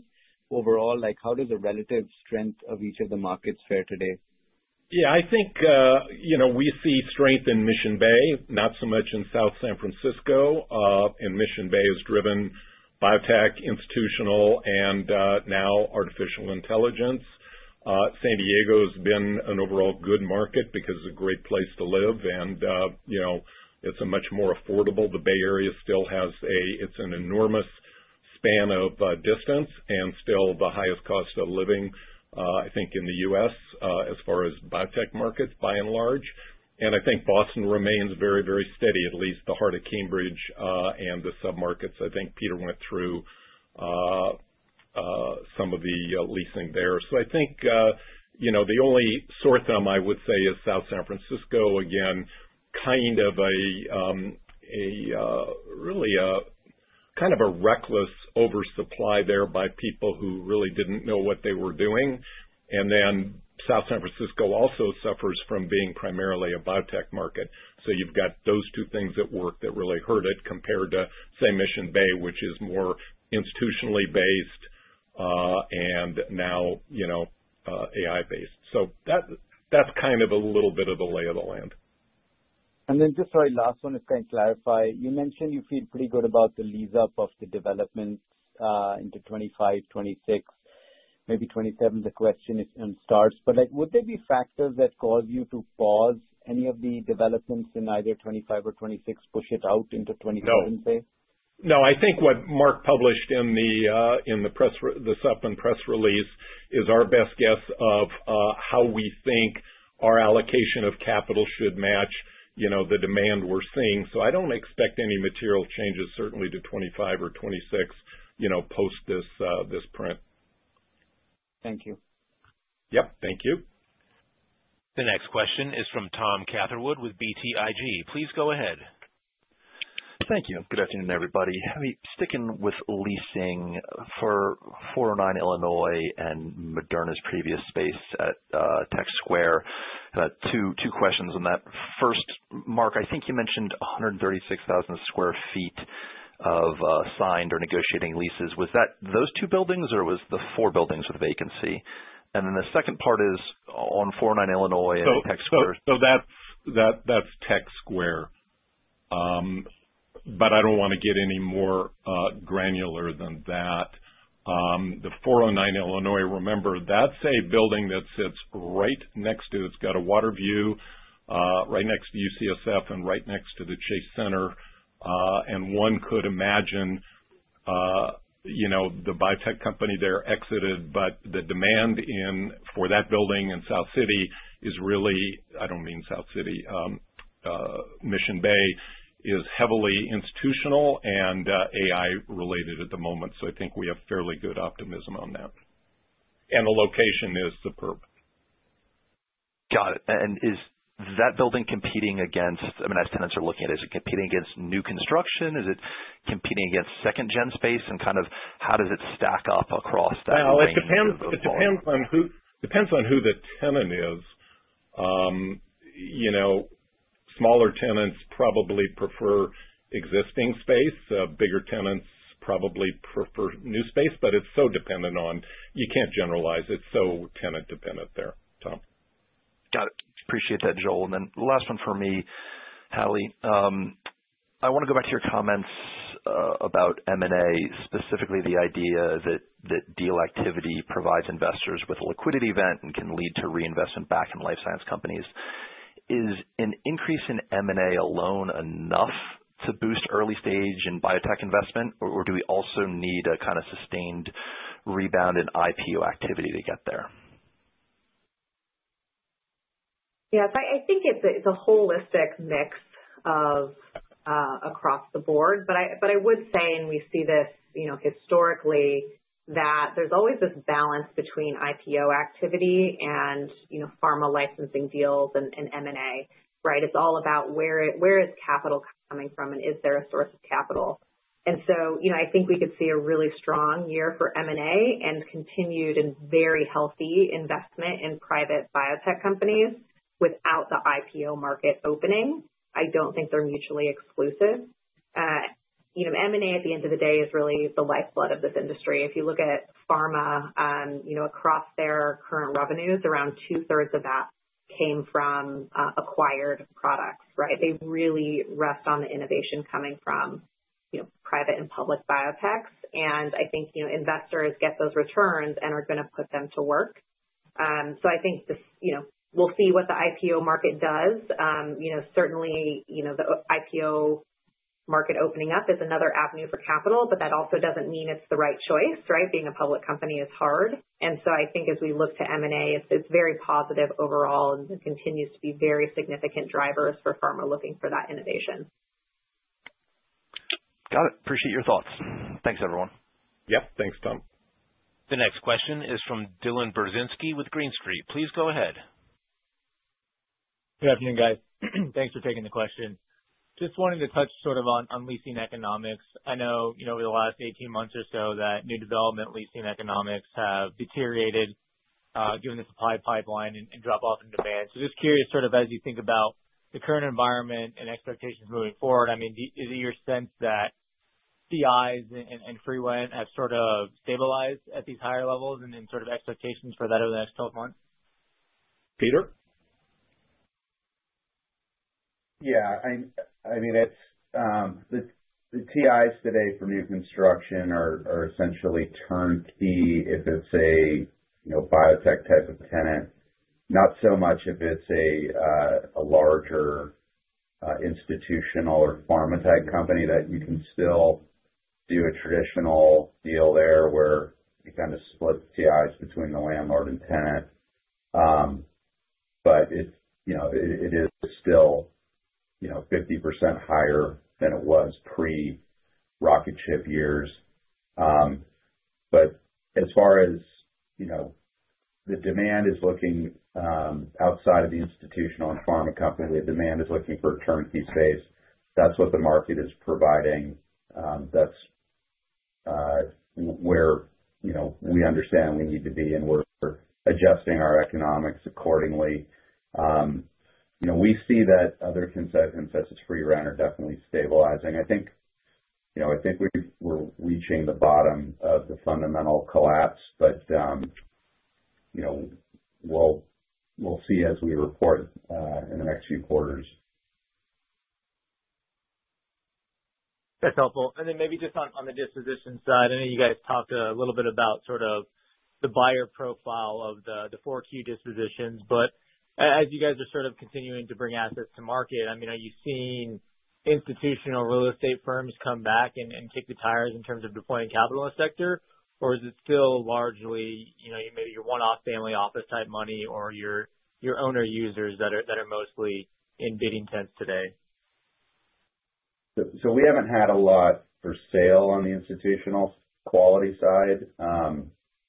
J: overall, how does the relative strength of each of the markets fare today?
C: Yeah. I think we see strength in Mission Bay, not so much in South San Francisco. And Mission Bay is driven biotech, institutional, and now artificial intelligence. San Diego has been an overall good market because it's a great place to live, and it's much more affordable. The Bay Area still has a, it's an enormous span of distance and still the highest cost of living, I think, in the U.S. as far as biotech markets by and large. And I think Boston remains very, very steady, at least the heart of Cambridge and the submarkets. I think Peter went through some of the leasing there. So I think the only sore thumb I would say is South San Francisco, again, kind of a really reckless oversupply there by people who really didn't know what they were doing. And then South San Francisco also suffers from being primarily a biotech market. So you've got those two things at work that really hurt it compared to, say, Mission Bay, which is more institutionally based and now AI-based. So that's kind of a little bit of the lay of the land.
I: And then just our last one is trying to clarify. You mentioned you feel pretty good about the lease-up of the developments into 2025, 2026, maybe 2027. That's the question. But would there be factors that cause you to pause any of the developments in either 2025 or 2026, push it out into 2027, say?
C: No. I think what Marc published in the press, the Supp and press release, is our best guess of how we think our allocation of capital should match the demand we're seeing. So I don't expect any material changes, certainly to 2025 or 2026 post this print.
J: Thank you.
C: Yep. Thank you.
A: The next question is from Tom Catherwood with BTIG. Please go ahead.
K: Thank you. Good afternoon, everybody. Sticking with leasing for 409 Illinois and Moderna's previous space at Tech Square, two questions on that. First, Marc, I think you mentioned 136,000 sq ft of signed or negotiating leases. Was that those two buildings, or was the four buildings with vacancy? And then the second part is on 409 Illinois and Tech Square.
C: So that's Tech Square. But I don't want to get any more granular than that. The 409 Illinois, remember, that's a building that sits right next to, it's got a water view right next to UCSF and right next to the Chase Center. And one could imagine the biotech company there exited, but the demand for that building in South City is really. I don't mean South City. Mission Bay is heavily institutional and AI-related at the moment. I think we have fairly good optimism on that. The location is superb.
K: Got it. Is that building competing against, I mean, as tenants are looking at it, is it competing against new construction? Is it competing against second-gen space? Kind of how does it stack up across that?
C: It depends on who the tenant is. Smaller tenants probably prefer existing space. Bigger tenants probably prefer new space. It's so dependent on. You can't generalize. It's so tenant-dependent there, Tom.
K: Got it. Appreciate that, Joel. Then last one for me, Hallie. I want to go back to your comments about M&A, specifically the idea that deal activity provides investors with a liquidity event and can lead to reinvestment back in life science companies. Is an increase in M&A alone enough to boost early stage and biotech investment, or do we also need a kind of sustained rebound in IPO activity to get there?
D: Yeah. So I think it's a holistic mix across the board. But I would say, and we see this historically, that there's always this balance between IPO activity and pharma licensing deals and M&A, right? It's all about where is capital coming from, and is there a source of capital? And so I think we could see a really strong year for M&A and continued and very healthy investment in private biotech companies without the IPO market opening. I don't think they're mutually exclusive. M&A, at the end of the day, is really the lifeblood of this industry. If you look at pharma across their current revenues, around two-thirds of that came from acquired products, right? They really rest on the innovation coming from private and public biotechs. And I think investors get those returns and are going to put them to work. So I think we'll see what the IPO market does. Certainly, the IPO market opening up is another avenue for capital, but that also doesn't mean it's the right choice, right? Being a public company is hard. And so I think as we look to M&A, it's very positive overall and continues to be very significant drivers for pharma looking for that innovation.
K: Got it. Appreciate your thoughts. Thanks, everyone.
A: Yep. Thanks, Tom. The next question is from Dylan Burzinski with Green Street. Please go ahead.
L: Good afternoon, guys. Thanks for taking the question. Just wanting to touch sort of on leasing economics. I know over the last 18 months or so that new development leasing economics have deteriorated given the supply pipeline and drop-off in demand. So just curious sort of as you think about the current environment and expectations moving forward, I mean, is it your sense that TIs and free rent have sort of stabilized at these higher levels and sort of expectations for that over the next 12 months?
C: Peter?
E: Yeah. I mean, the TIs today for new construction are essentially turnkey if it's a biotech type of tenant, not so much if it's a larger institutional or pharma-type company that you can still do a traditional deal there where you kind of split the TIs between the landlord and tenant. But it is still 50% higher than it was pre-rocket ship years. As far as the demand is looking outside of the institutional and pharma company, the demand is looking for a turnkey space. That's what the market is providing. That's where we understand we need to be, and we're adjusting our economics accordingly. We see that other concessions free rent are definitely stabilizing. I think we're reaching the bottom of the fundamental collapse, but we'll see as we report in the next few quarters.
K: That's helpful. And then maybe just on the disposition side, I know you guys talked a little bit about sort of the buyer profile of the four key dispositions. As you guys are sort of continuing to bring assets to market, I mean, are you seeing institutional real estate firms come back and kick the tires in terms of deploying capital in the sector, or is it still largely maybe your one-off family office type money or your owner users that are mostly in uncertain today?
E: We haven't had a lot for sale on the institutional quality side.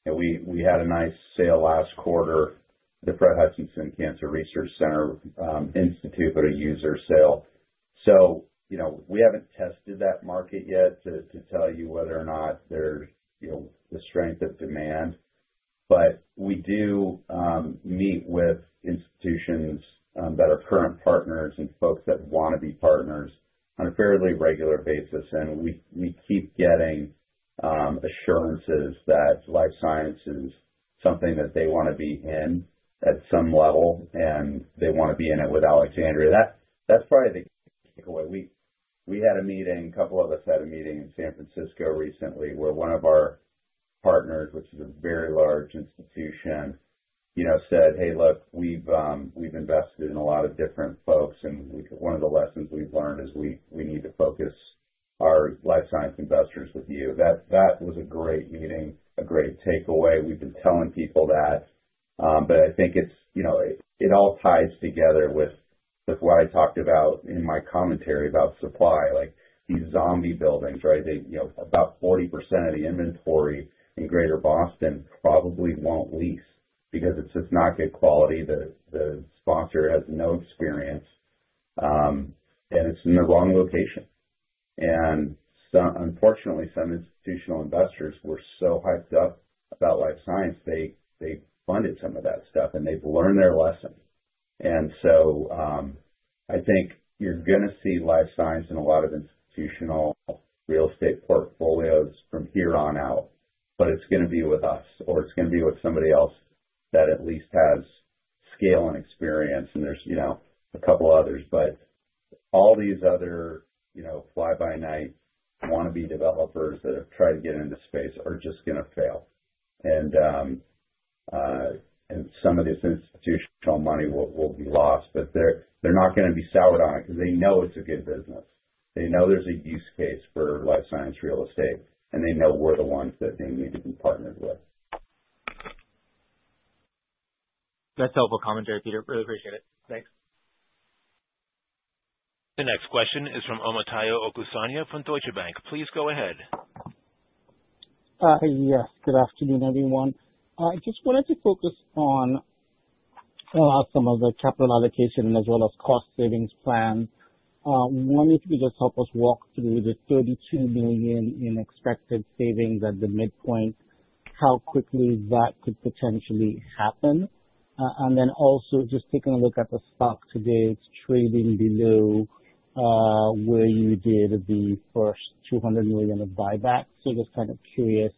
E: We had a nice sale last quarter, the Fred Hutchinson Cancer Center as a user sale. We haven't tested that market yet to tell you whether or not there's the strength of demand. We do meet with institutions that are current partners and folks that want to be partners on a fairly regular basis. We keep getting assurances that life science is something that they want to be in at some level, and they want to be in it with Alexandria. That's probably the takeaway. We had a meeting. A couple of us had a meeting in San Francisco recently where one of our partners, which is a very large institution, said, "Hey, look, we've invested in a lot of different folks, and one of the lessons we've learned is we need to focus our life science investors with you." That was a great meeting, a great takeaway. We've been telling people that. But I think it all ties together with what I talked about in my commentary about supply, like these zombie buildings, right? About 40% of the inventory in greater Boston probably won't lease because it's not good quality. The sponsor has no experience, and it's in the wrong location. And unfortunately, some institutional investors were so hyped up about life science, they funded some of that stuff, and they've learned their lesson. And so I think you're going to see life science in a lot of institutional real estate portfolios from here on out. But it's going to be with us, or it's going to be with somebody else that at least has scale and experience. And there's a couple others. But all these other fly-by-night wannabe developers that have tried to get into space are just going to fail. And some of this institutional money will be lost, but they're not going to be soured on it because they know it's a good business. They know there's a use case for life science real estate, and they know we're the ones that they need to be partnered with.
K: That's helpful commentary, Peter. Really appreciate it. Thanks.
A: The next question is from Omotayo Okusanya from Deutsche Bank. Please go ahead.
M: Yes. Good afternoon, everyone. I just wanted to focus on some of the capital allocation as well as cost savings plan. I wonder if you could just help us walk through the $32 million in expected savings at the midpoint, how quickly that could potentially happen. And then also just taking a look at the stock today, it's trading below where you did the first $200 million of buybacks. So just kind of curious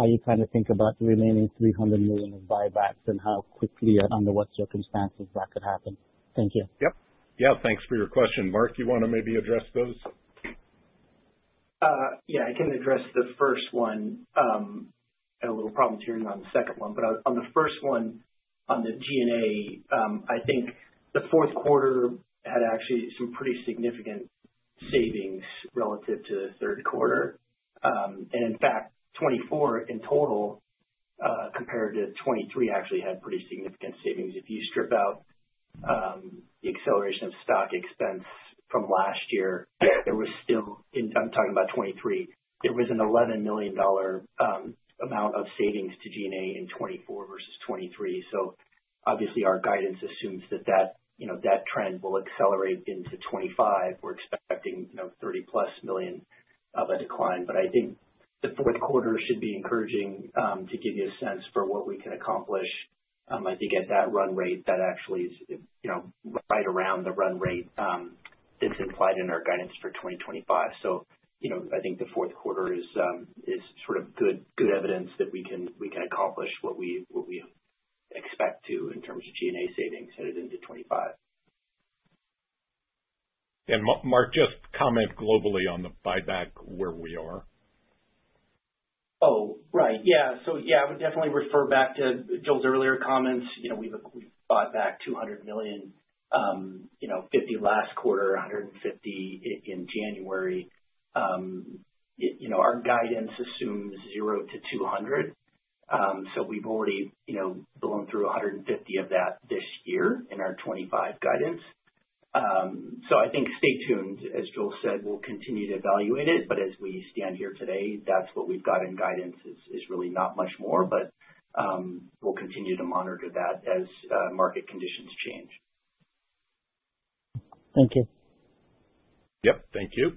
M: how you kind of think about the remaining $300 million of buybacks and how quickly and under what circumstances that could happen. Thank you.
C: Yep. Yeah. Thanks for your question. Marc, you want to maybe address those?
F: Yeah. I can address the first one. I had a little problem hearing on the second one. But on the first one, on the G&A, I think the fourth quarter had actually some pretty significant savings relative to the third quarter. And in fact, 2024 in total compared to 2023 actually had pretty significant savings. If you strip out the acceleration of stock expense from last year, there was still. I'm talking about 2023. There was an $11 million amount of savings to G&A in 2024 versus 2023. So obviously, our guidance assumes that that trend will accelerate into 2025. We're expecting $30-plus million of a decline. But I think the fourth quarter should be encouraging to give you a sense for what we can accomplish. I think at that run rate, that actually is right around the run rate that's implied in our guidance for 2025. So I think the fourth quarter is sort of good evidence that we can accomplish what we expect to in terms of G&A savings headed into 2025.
C: And Marc, just comment globally on the buyback where we are.
F: Oh, right. Yeah. So yeah, I would definitely refer back to Joel's earlier comments. We bought back $200 million, $50 million last quarter, $150 million in January. Our guidance assumes $0 to $200 million. So we've already blown through $150 million of that this year in our 2025 guidance. So I think stay tuned. As Joel said, we'll continue to evaluate it. But as we stand here today, that's what we've got in guidance is really not much more. But we'll continue to monitor that as market conditions change.
M: Thank you. Yep. Thank you.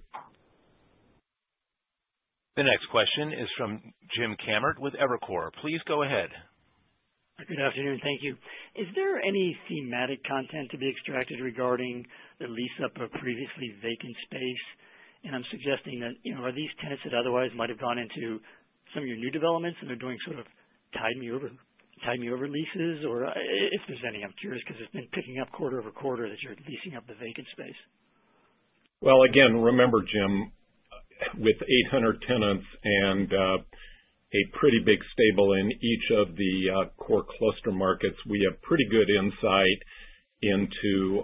A: The next question is from Jim Kammert with Evercore. Please go ahead.
N: Good afternoon. Thank you. Is there any thematic content to be extracted regarding the lease-up of previously vacant space? And I'm suggesting that are these tenants that otherwise might have gone into some of your new developments and they're doing sort of tide-me-over leases? Or if there's any, I'm curious because it's been picking up quarter over quarter that you're leasing up the vacant space.
C: Well, again, remember, Jim, with 800 tenants and a pretty big stable in each of the core cluster markets, we have pretty good insight into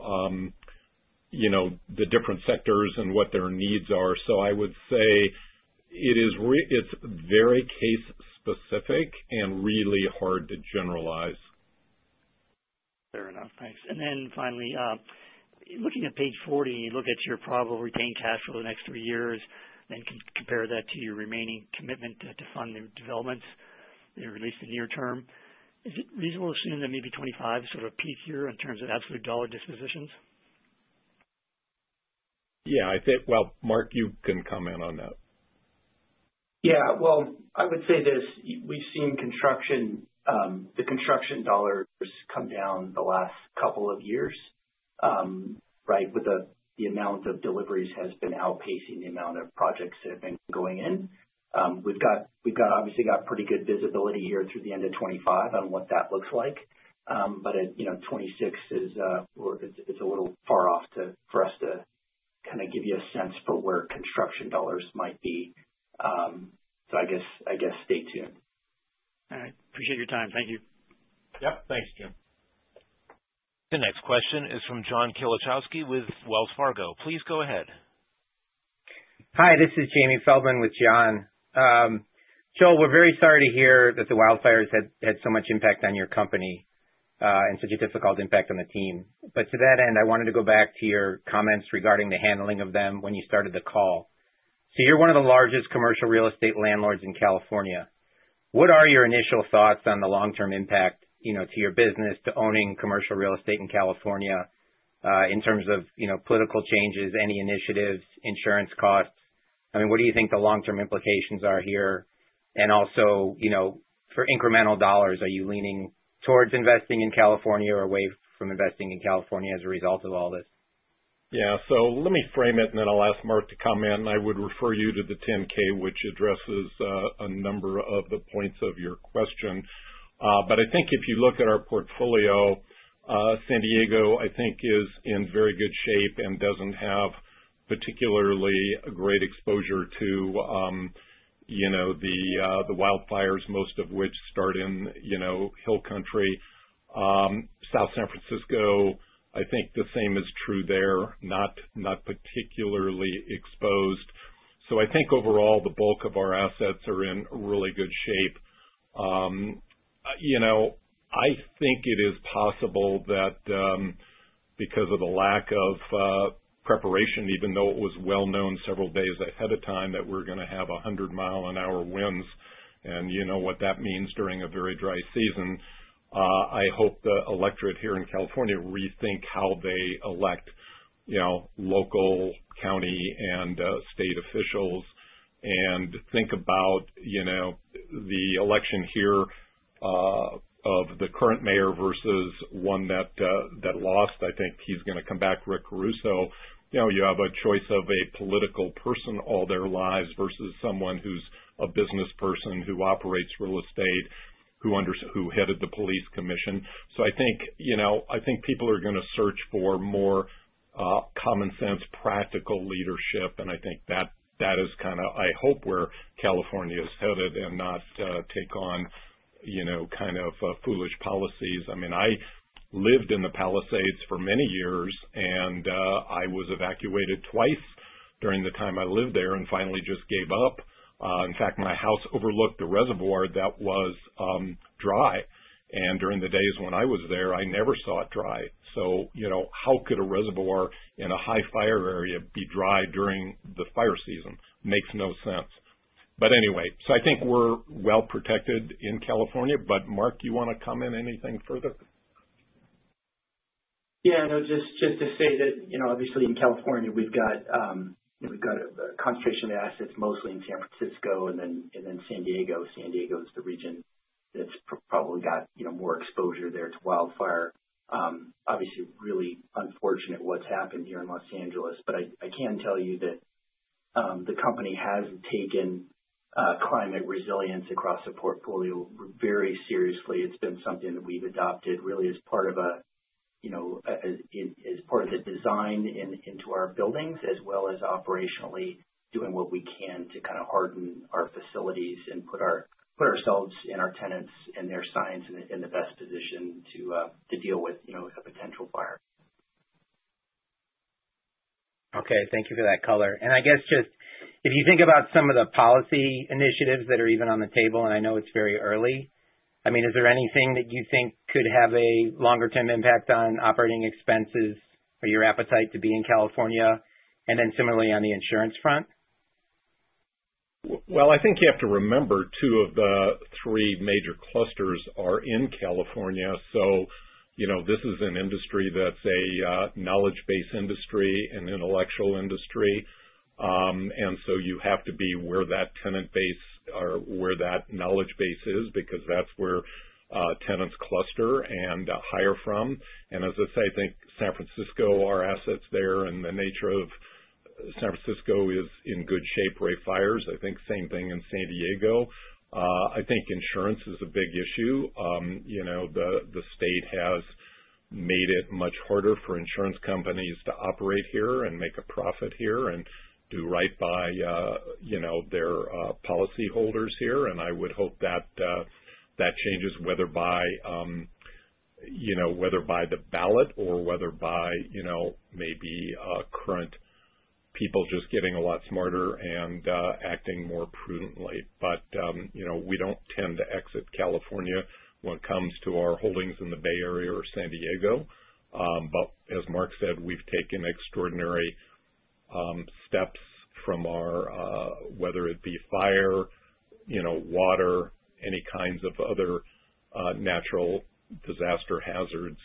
C: the different sectors and what their needs are. So I would say it's very case-specific and really hard to generalize.
N: Fair enough. Thanks. And then finally, looking at page 40, you look at your probable retained cash for the next three years and compare that to your remaining commitment to fund new developments at least in the near term. Is it reasonable to assume that maybe 2025 is sort of a peak year in terms of absolute dollar dispositions?
C: Yeah. Well, Marc, you can comment on that.
F: Yeah. Well, I would say this. We've seen the construction dollars come down the last couple of years, right, with the amount of deliveries that has been outpacing the amount of projects that have been going in. We've obviously got pretty good visibility here through the end of 2025 on what that looks like. But at 2026, it's a little far off for us to kind of give you a sense for where construction dollars might be. So I guess stay tuned.
N: All right. Appreciate your time. Thank you.
C: Yep. Thanks, Jim.
A: The next question is from John Kilichowski with Wells Fargo. Please go ahead.
O: Hi. This is Jamie Feldman with John. Joel, we're very sorry to hear that the wildfires had so much impact on your company and such a difficult impact on the team. But to that end, I wanted to go back to your comments regarding the handling of them when you started the call. So you're one of the largest commercial real estate landlords in California. What are your initial thoughts on the long-term impact to your business, to owning commercial real estate in California in terms of political changes, any initiatives, insurance costs? I mean, what do you think the long-term implications are here? And also, for incremental dollars, are you leaning towards investing in California or away from investing in California as a result of all this?
C: Yeah. So let me frame it, and then I'll ask Marc to comment. I would refer you to the 10-K, which addresses a number of the points of your question. But I think if you look at our portfolio, San Diego, I think, is in very good shape and doesn't have particularly great exposure to the wildfires, most of which start in hill country. South San Francisco, I think the same is true there, not particularly exposed. So I think overall, the bulk of our assets are in really good shape. I think it is possible that because of the lack of preparation, even though it was well known several days ahead of time that we're going to have 100-mile-an-hour winds and what that means during a very dry season, I hope the electorate here in California rethink how they elect local county and state officials and think about the election here of the current mayor versus one that lost. I think he's going to come back, Rick Caruso. You have a choice of a political person all their lives versus someone who's a business person who operates real estate, who headed the police commission, so I think people are going to search for more common sense, practical leadership, and I think that is kind of, I hope, where California is headed and not take on kind of foolish policies. I mean, I lived in the Palisades for many years, and I was evacuated twice during the time I lived there and finally just gave up. In fact, my house overlooked a reservoir that was dry, and during the days when I was there, I never saw it dry. So how could a reservoir in a high fire area be dry during the fire season? Makes no sense, but anyway, so I think we're well protected in California. But Marc, you want to comment anything further?
F: Yeah. No, just to say that obviously in California, we've got a concentration of assets mostly in San Francisco and then San Diego. San Diego is the region that's probably got more exposure there to wildfire. Obviously, really unfortunate what's happened here in Los Angeles. But I can tell you that the company has taken climate resilience across the portfolio very seriously. It's been something that we've adopted really as part of the design into our buildings as well as operationally doing what we can to kind of harden our facilities and put ourselves and our tenants and their science in the best position to deal with a potential fire.
O: Okay. Thank you for that color. And I guess just if you think about some of the policy initiatives that are even on the table, and I know it's very early. I mean, is there anything that you think could have a longer-term impact on operating expenses or your appetite to be in California and then similarly on the insurance front?
C: Well, I think you have to remember two of the three major clusters are in California. So this is an industry that's a knowledge-based industry, an intellectual industry. And so you have to be where that tenant base or where that knowledge base is because that's where tenants cluster and hire from. And as I say, I think San Francisco, our assets there and the nature of San Francisco is in good shape for fires. I think same thing in San Diego. I think insurance is a big issue. The state has made it much harder for insurance companies to operate here and make a profit here and do right by their policyholders here, and I would hope that that changes whether by the ballot or whether by maybe current people just getting a lot smarter and acting more prudently, but we don't tend to exit California when it comes to our holdings in the Bay Area or San Diego, but as Marc said, we've taken extraordinary steps from our whether it be fire, water, any kinds of other natural disaster hazards,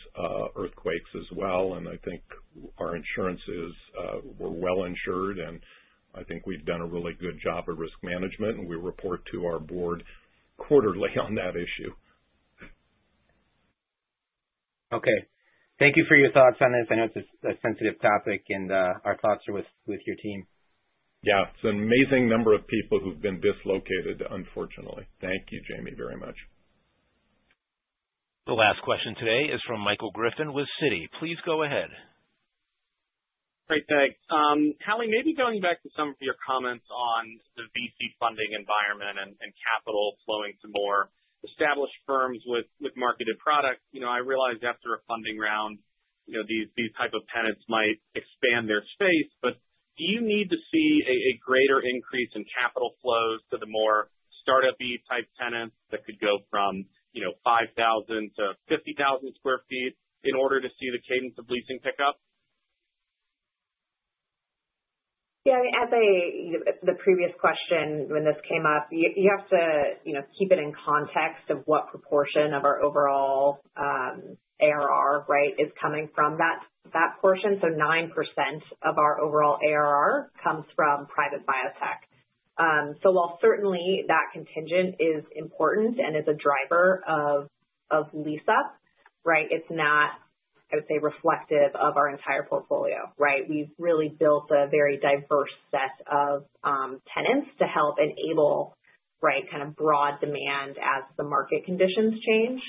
C: earthquakes as well, and I think our insurances were well insured, and I think we've done a really good job of risk management, and we report to our board quarterly on that issue.
O: Okay. Thank you for your thoughts on this. I know it's a sensitive topic and our thoughts are with your team.
C: Yeah. It's an amazing number of people who've been dislocated, unfortunately. Thank you, Jamie, very much.
A: The last question today is from Michael Griffin with Citi. Please go ahead.
P: Great, thanks. Hallie, maybe going back to some of your comments on the VC funding environment and capital flowing to more established firms with marketed products, I realized after a funding round, these type of tenants might expand their space. But do you need to see a greater increase in capital flows to the more startup-y type tenants that could go from 5,000 to 50,000 sq ft in order to see the cadence of leasing pick up?
D: Yeah. As the previous question, when this came up, you have to keep it in context of what proportion of our overall ARR, right, is coming from that portion. So 9% of our overall ARR comes from private biotech. So while certainly that contingent is important and is a driver of lease-up, right, it's not, I would say, reflective of our entire portfolio, right? We've really built a very diverse set of tenants to help enable, right, kind of broad demand as the market conditions change.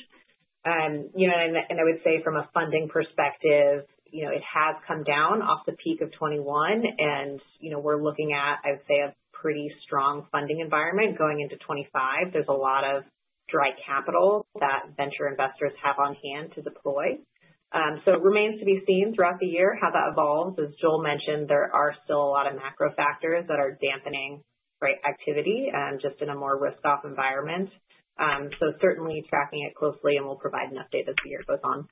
D: And I would say from a funding perspective, it has come down off the peak of 2021. And we're looking at, I would say, a pretty strong funding environment going into 2025. There's a lot of dry capital that venture investors have on hand to deploy. So it remains to be seen throughout the year how that evolves. As Joel mentioned, there are still a lot of macro factors that are dampening activity just in a more risk-off environment. So certainly tracking it closely, and we'll provide an update as the year goes on.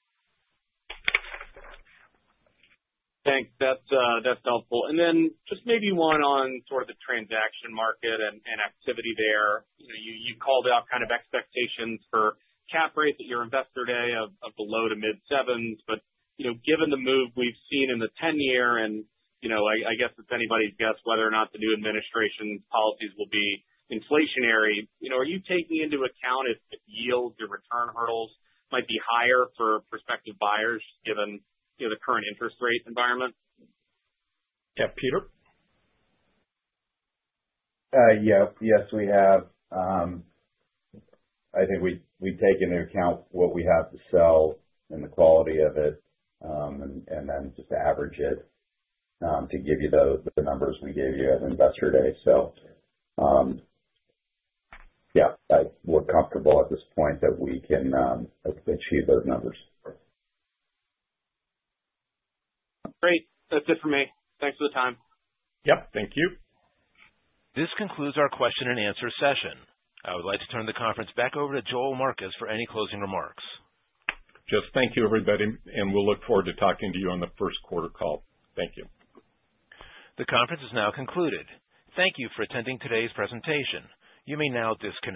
P: Thanks. That's helpful. And then just maybe one on sort of the transaction market and activity there. You called out kind of expectations for cap rates at your Investor Day of the low-to-mid sevens. But given the move we've seen in the 10-year, and I guess it's anybody's guess whether or not the new administration's policies will be inflationary, are you taking into account if yields or return hurdles might be higher for prospective buyers given the current interest rate environment?
C: Yeah. Peter?
E: Yeah. Yes, we have. I think we take into account what we have to sell and the quality of it and then just average it to give you the numbers we gave you at Investor Day. So yeah, we're comfortable at this point that we can achieve those numbers.
P: Great. That's it for me. Thanks for the time.
C: Yep. Thank you.
A: This concludes our question and answer session. I would like to turn the conference back over to Joel Marcus for any closing remarks.
C: Jeff, thank you, everybody, and we'll look forward to talking to you on the first quarter call. Thank you.
A: The conference is now concluded. Thank you for attending today's presentation. You may now disconnect.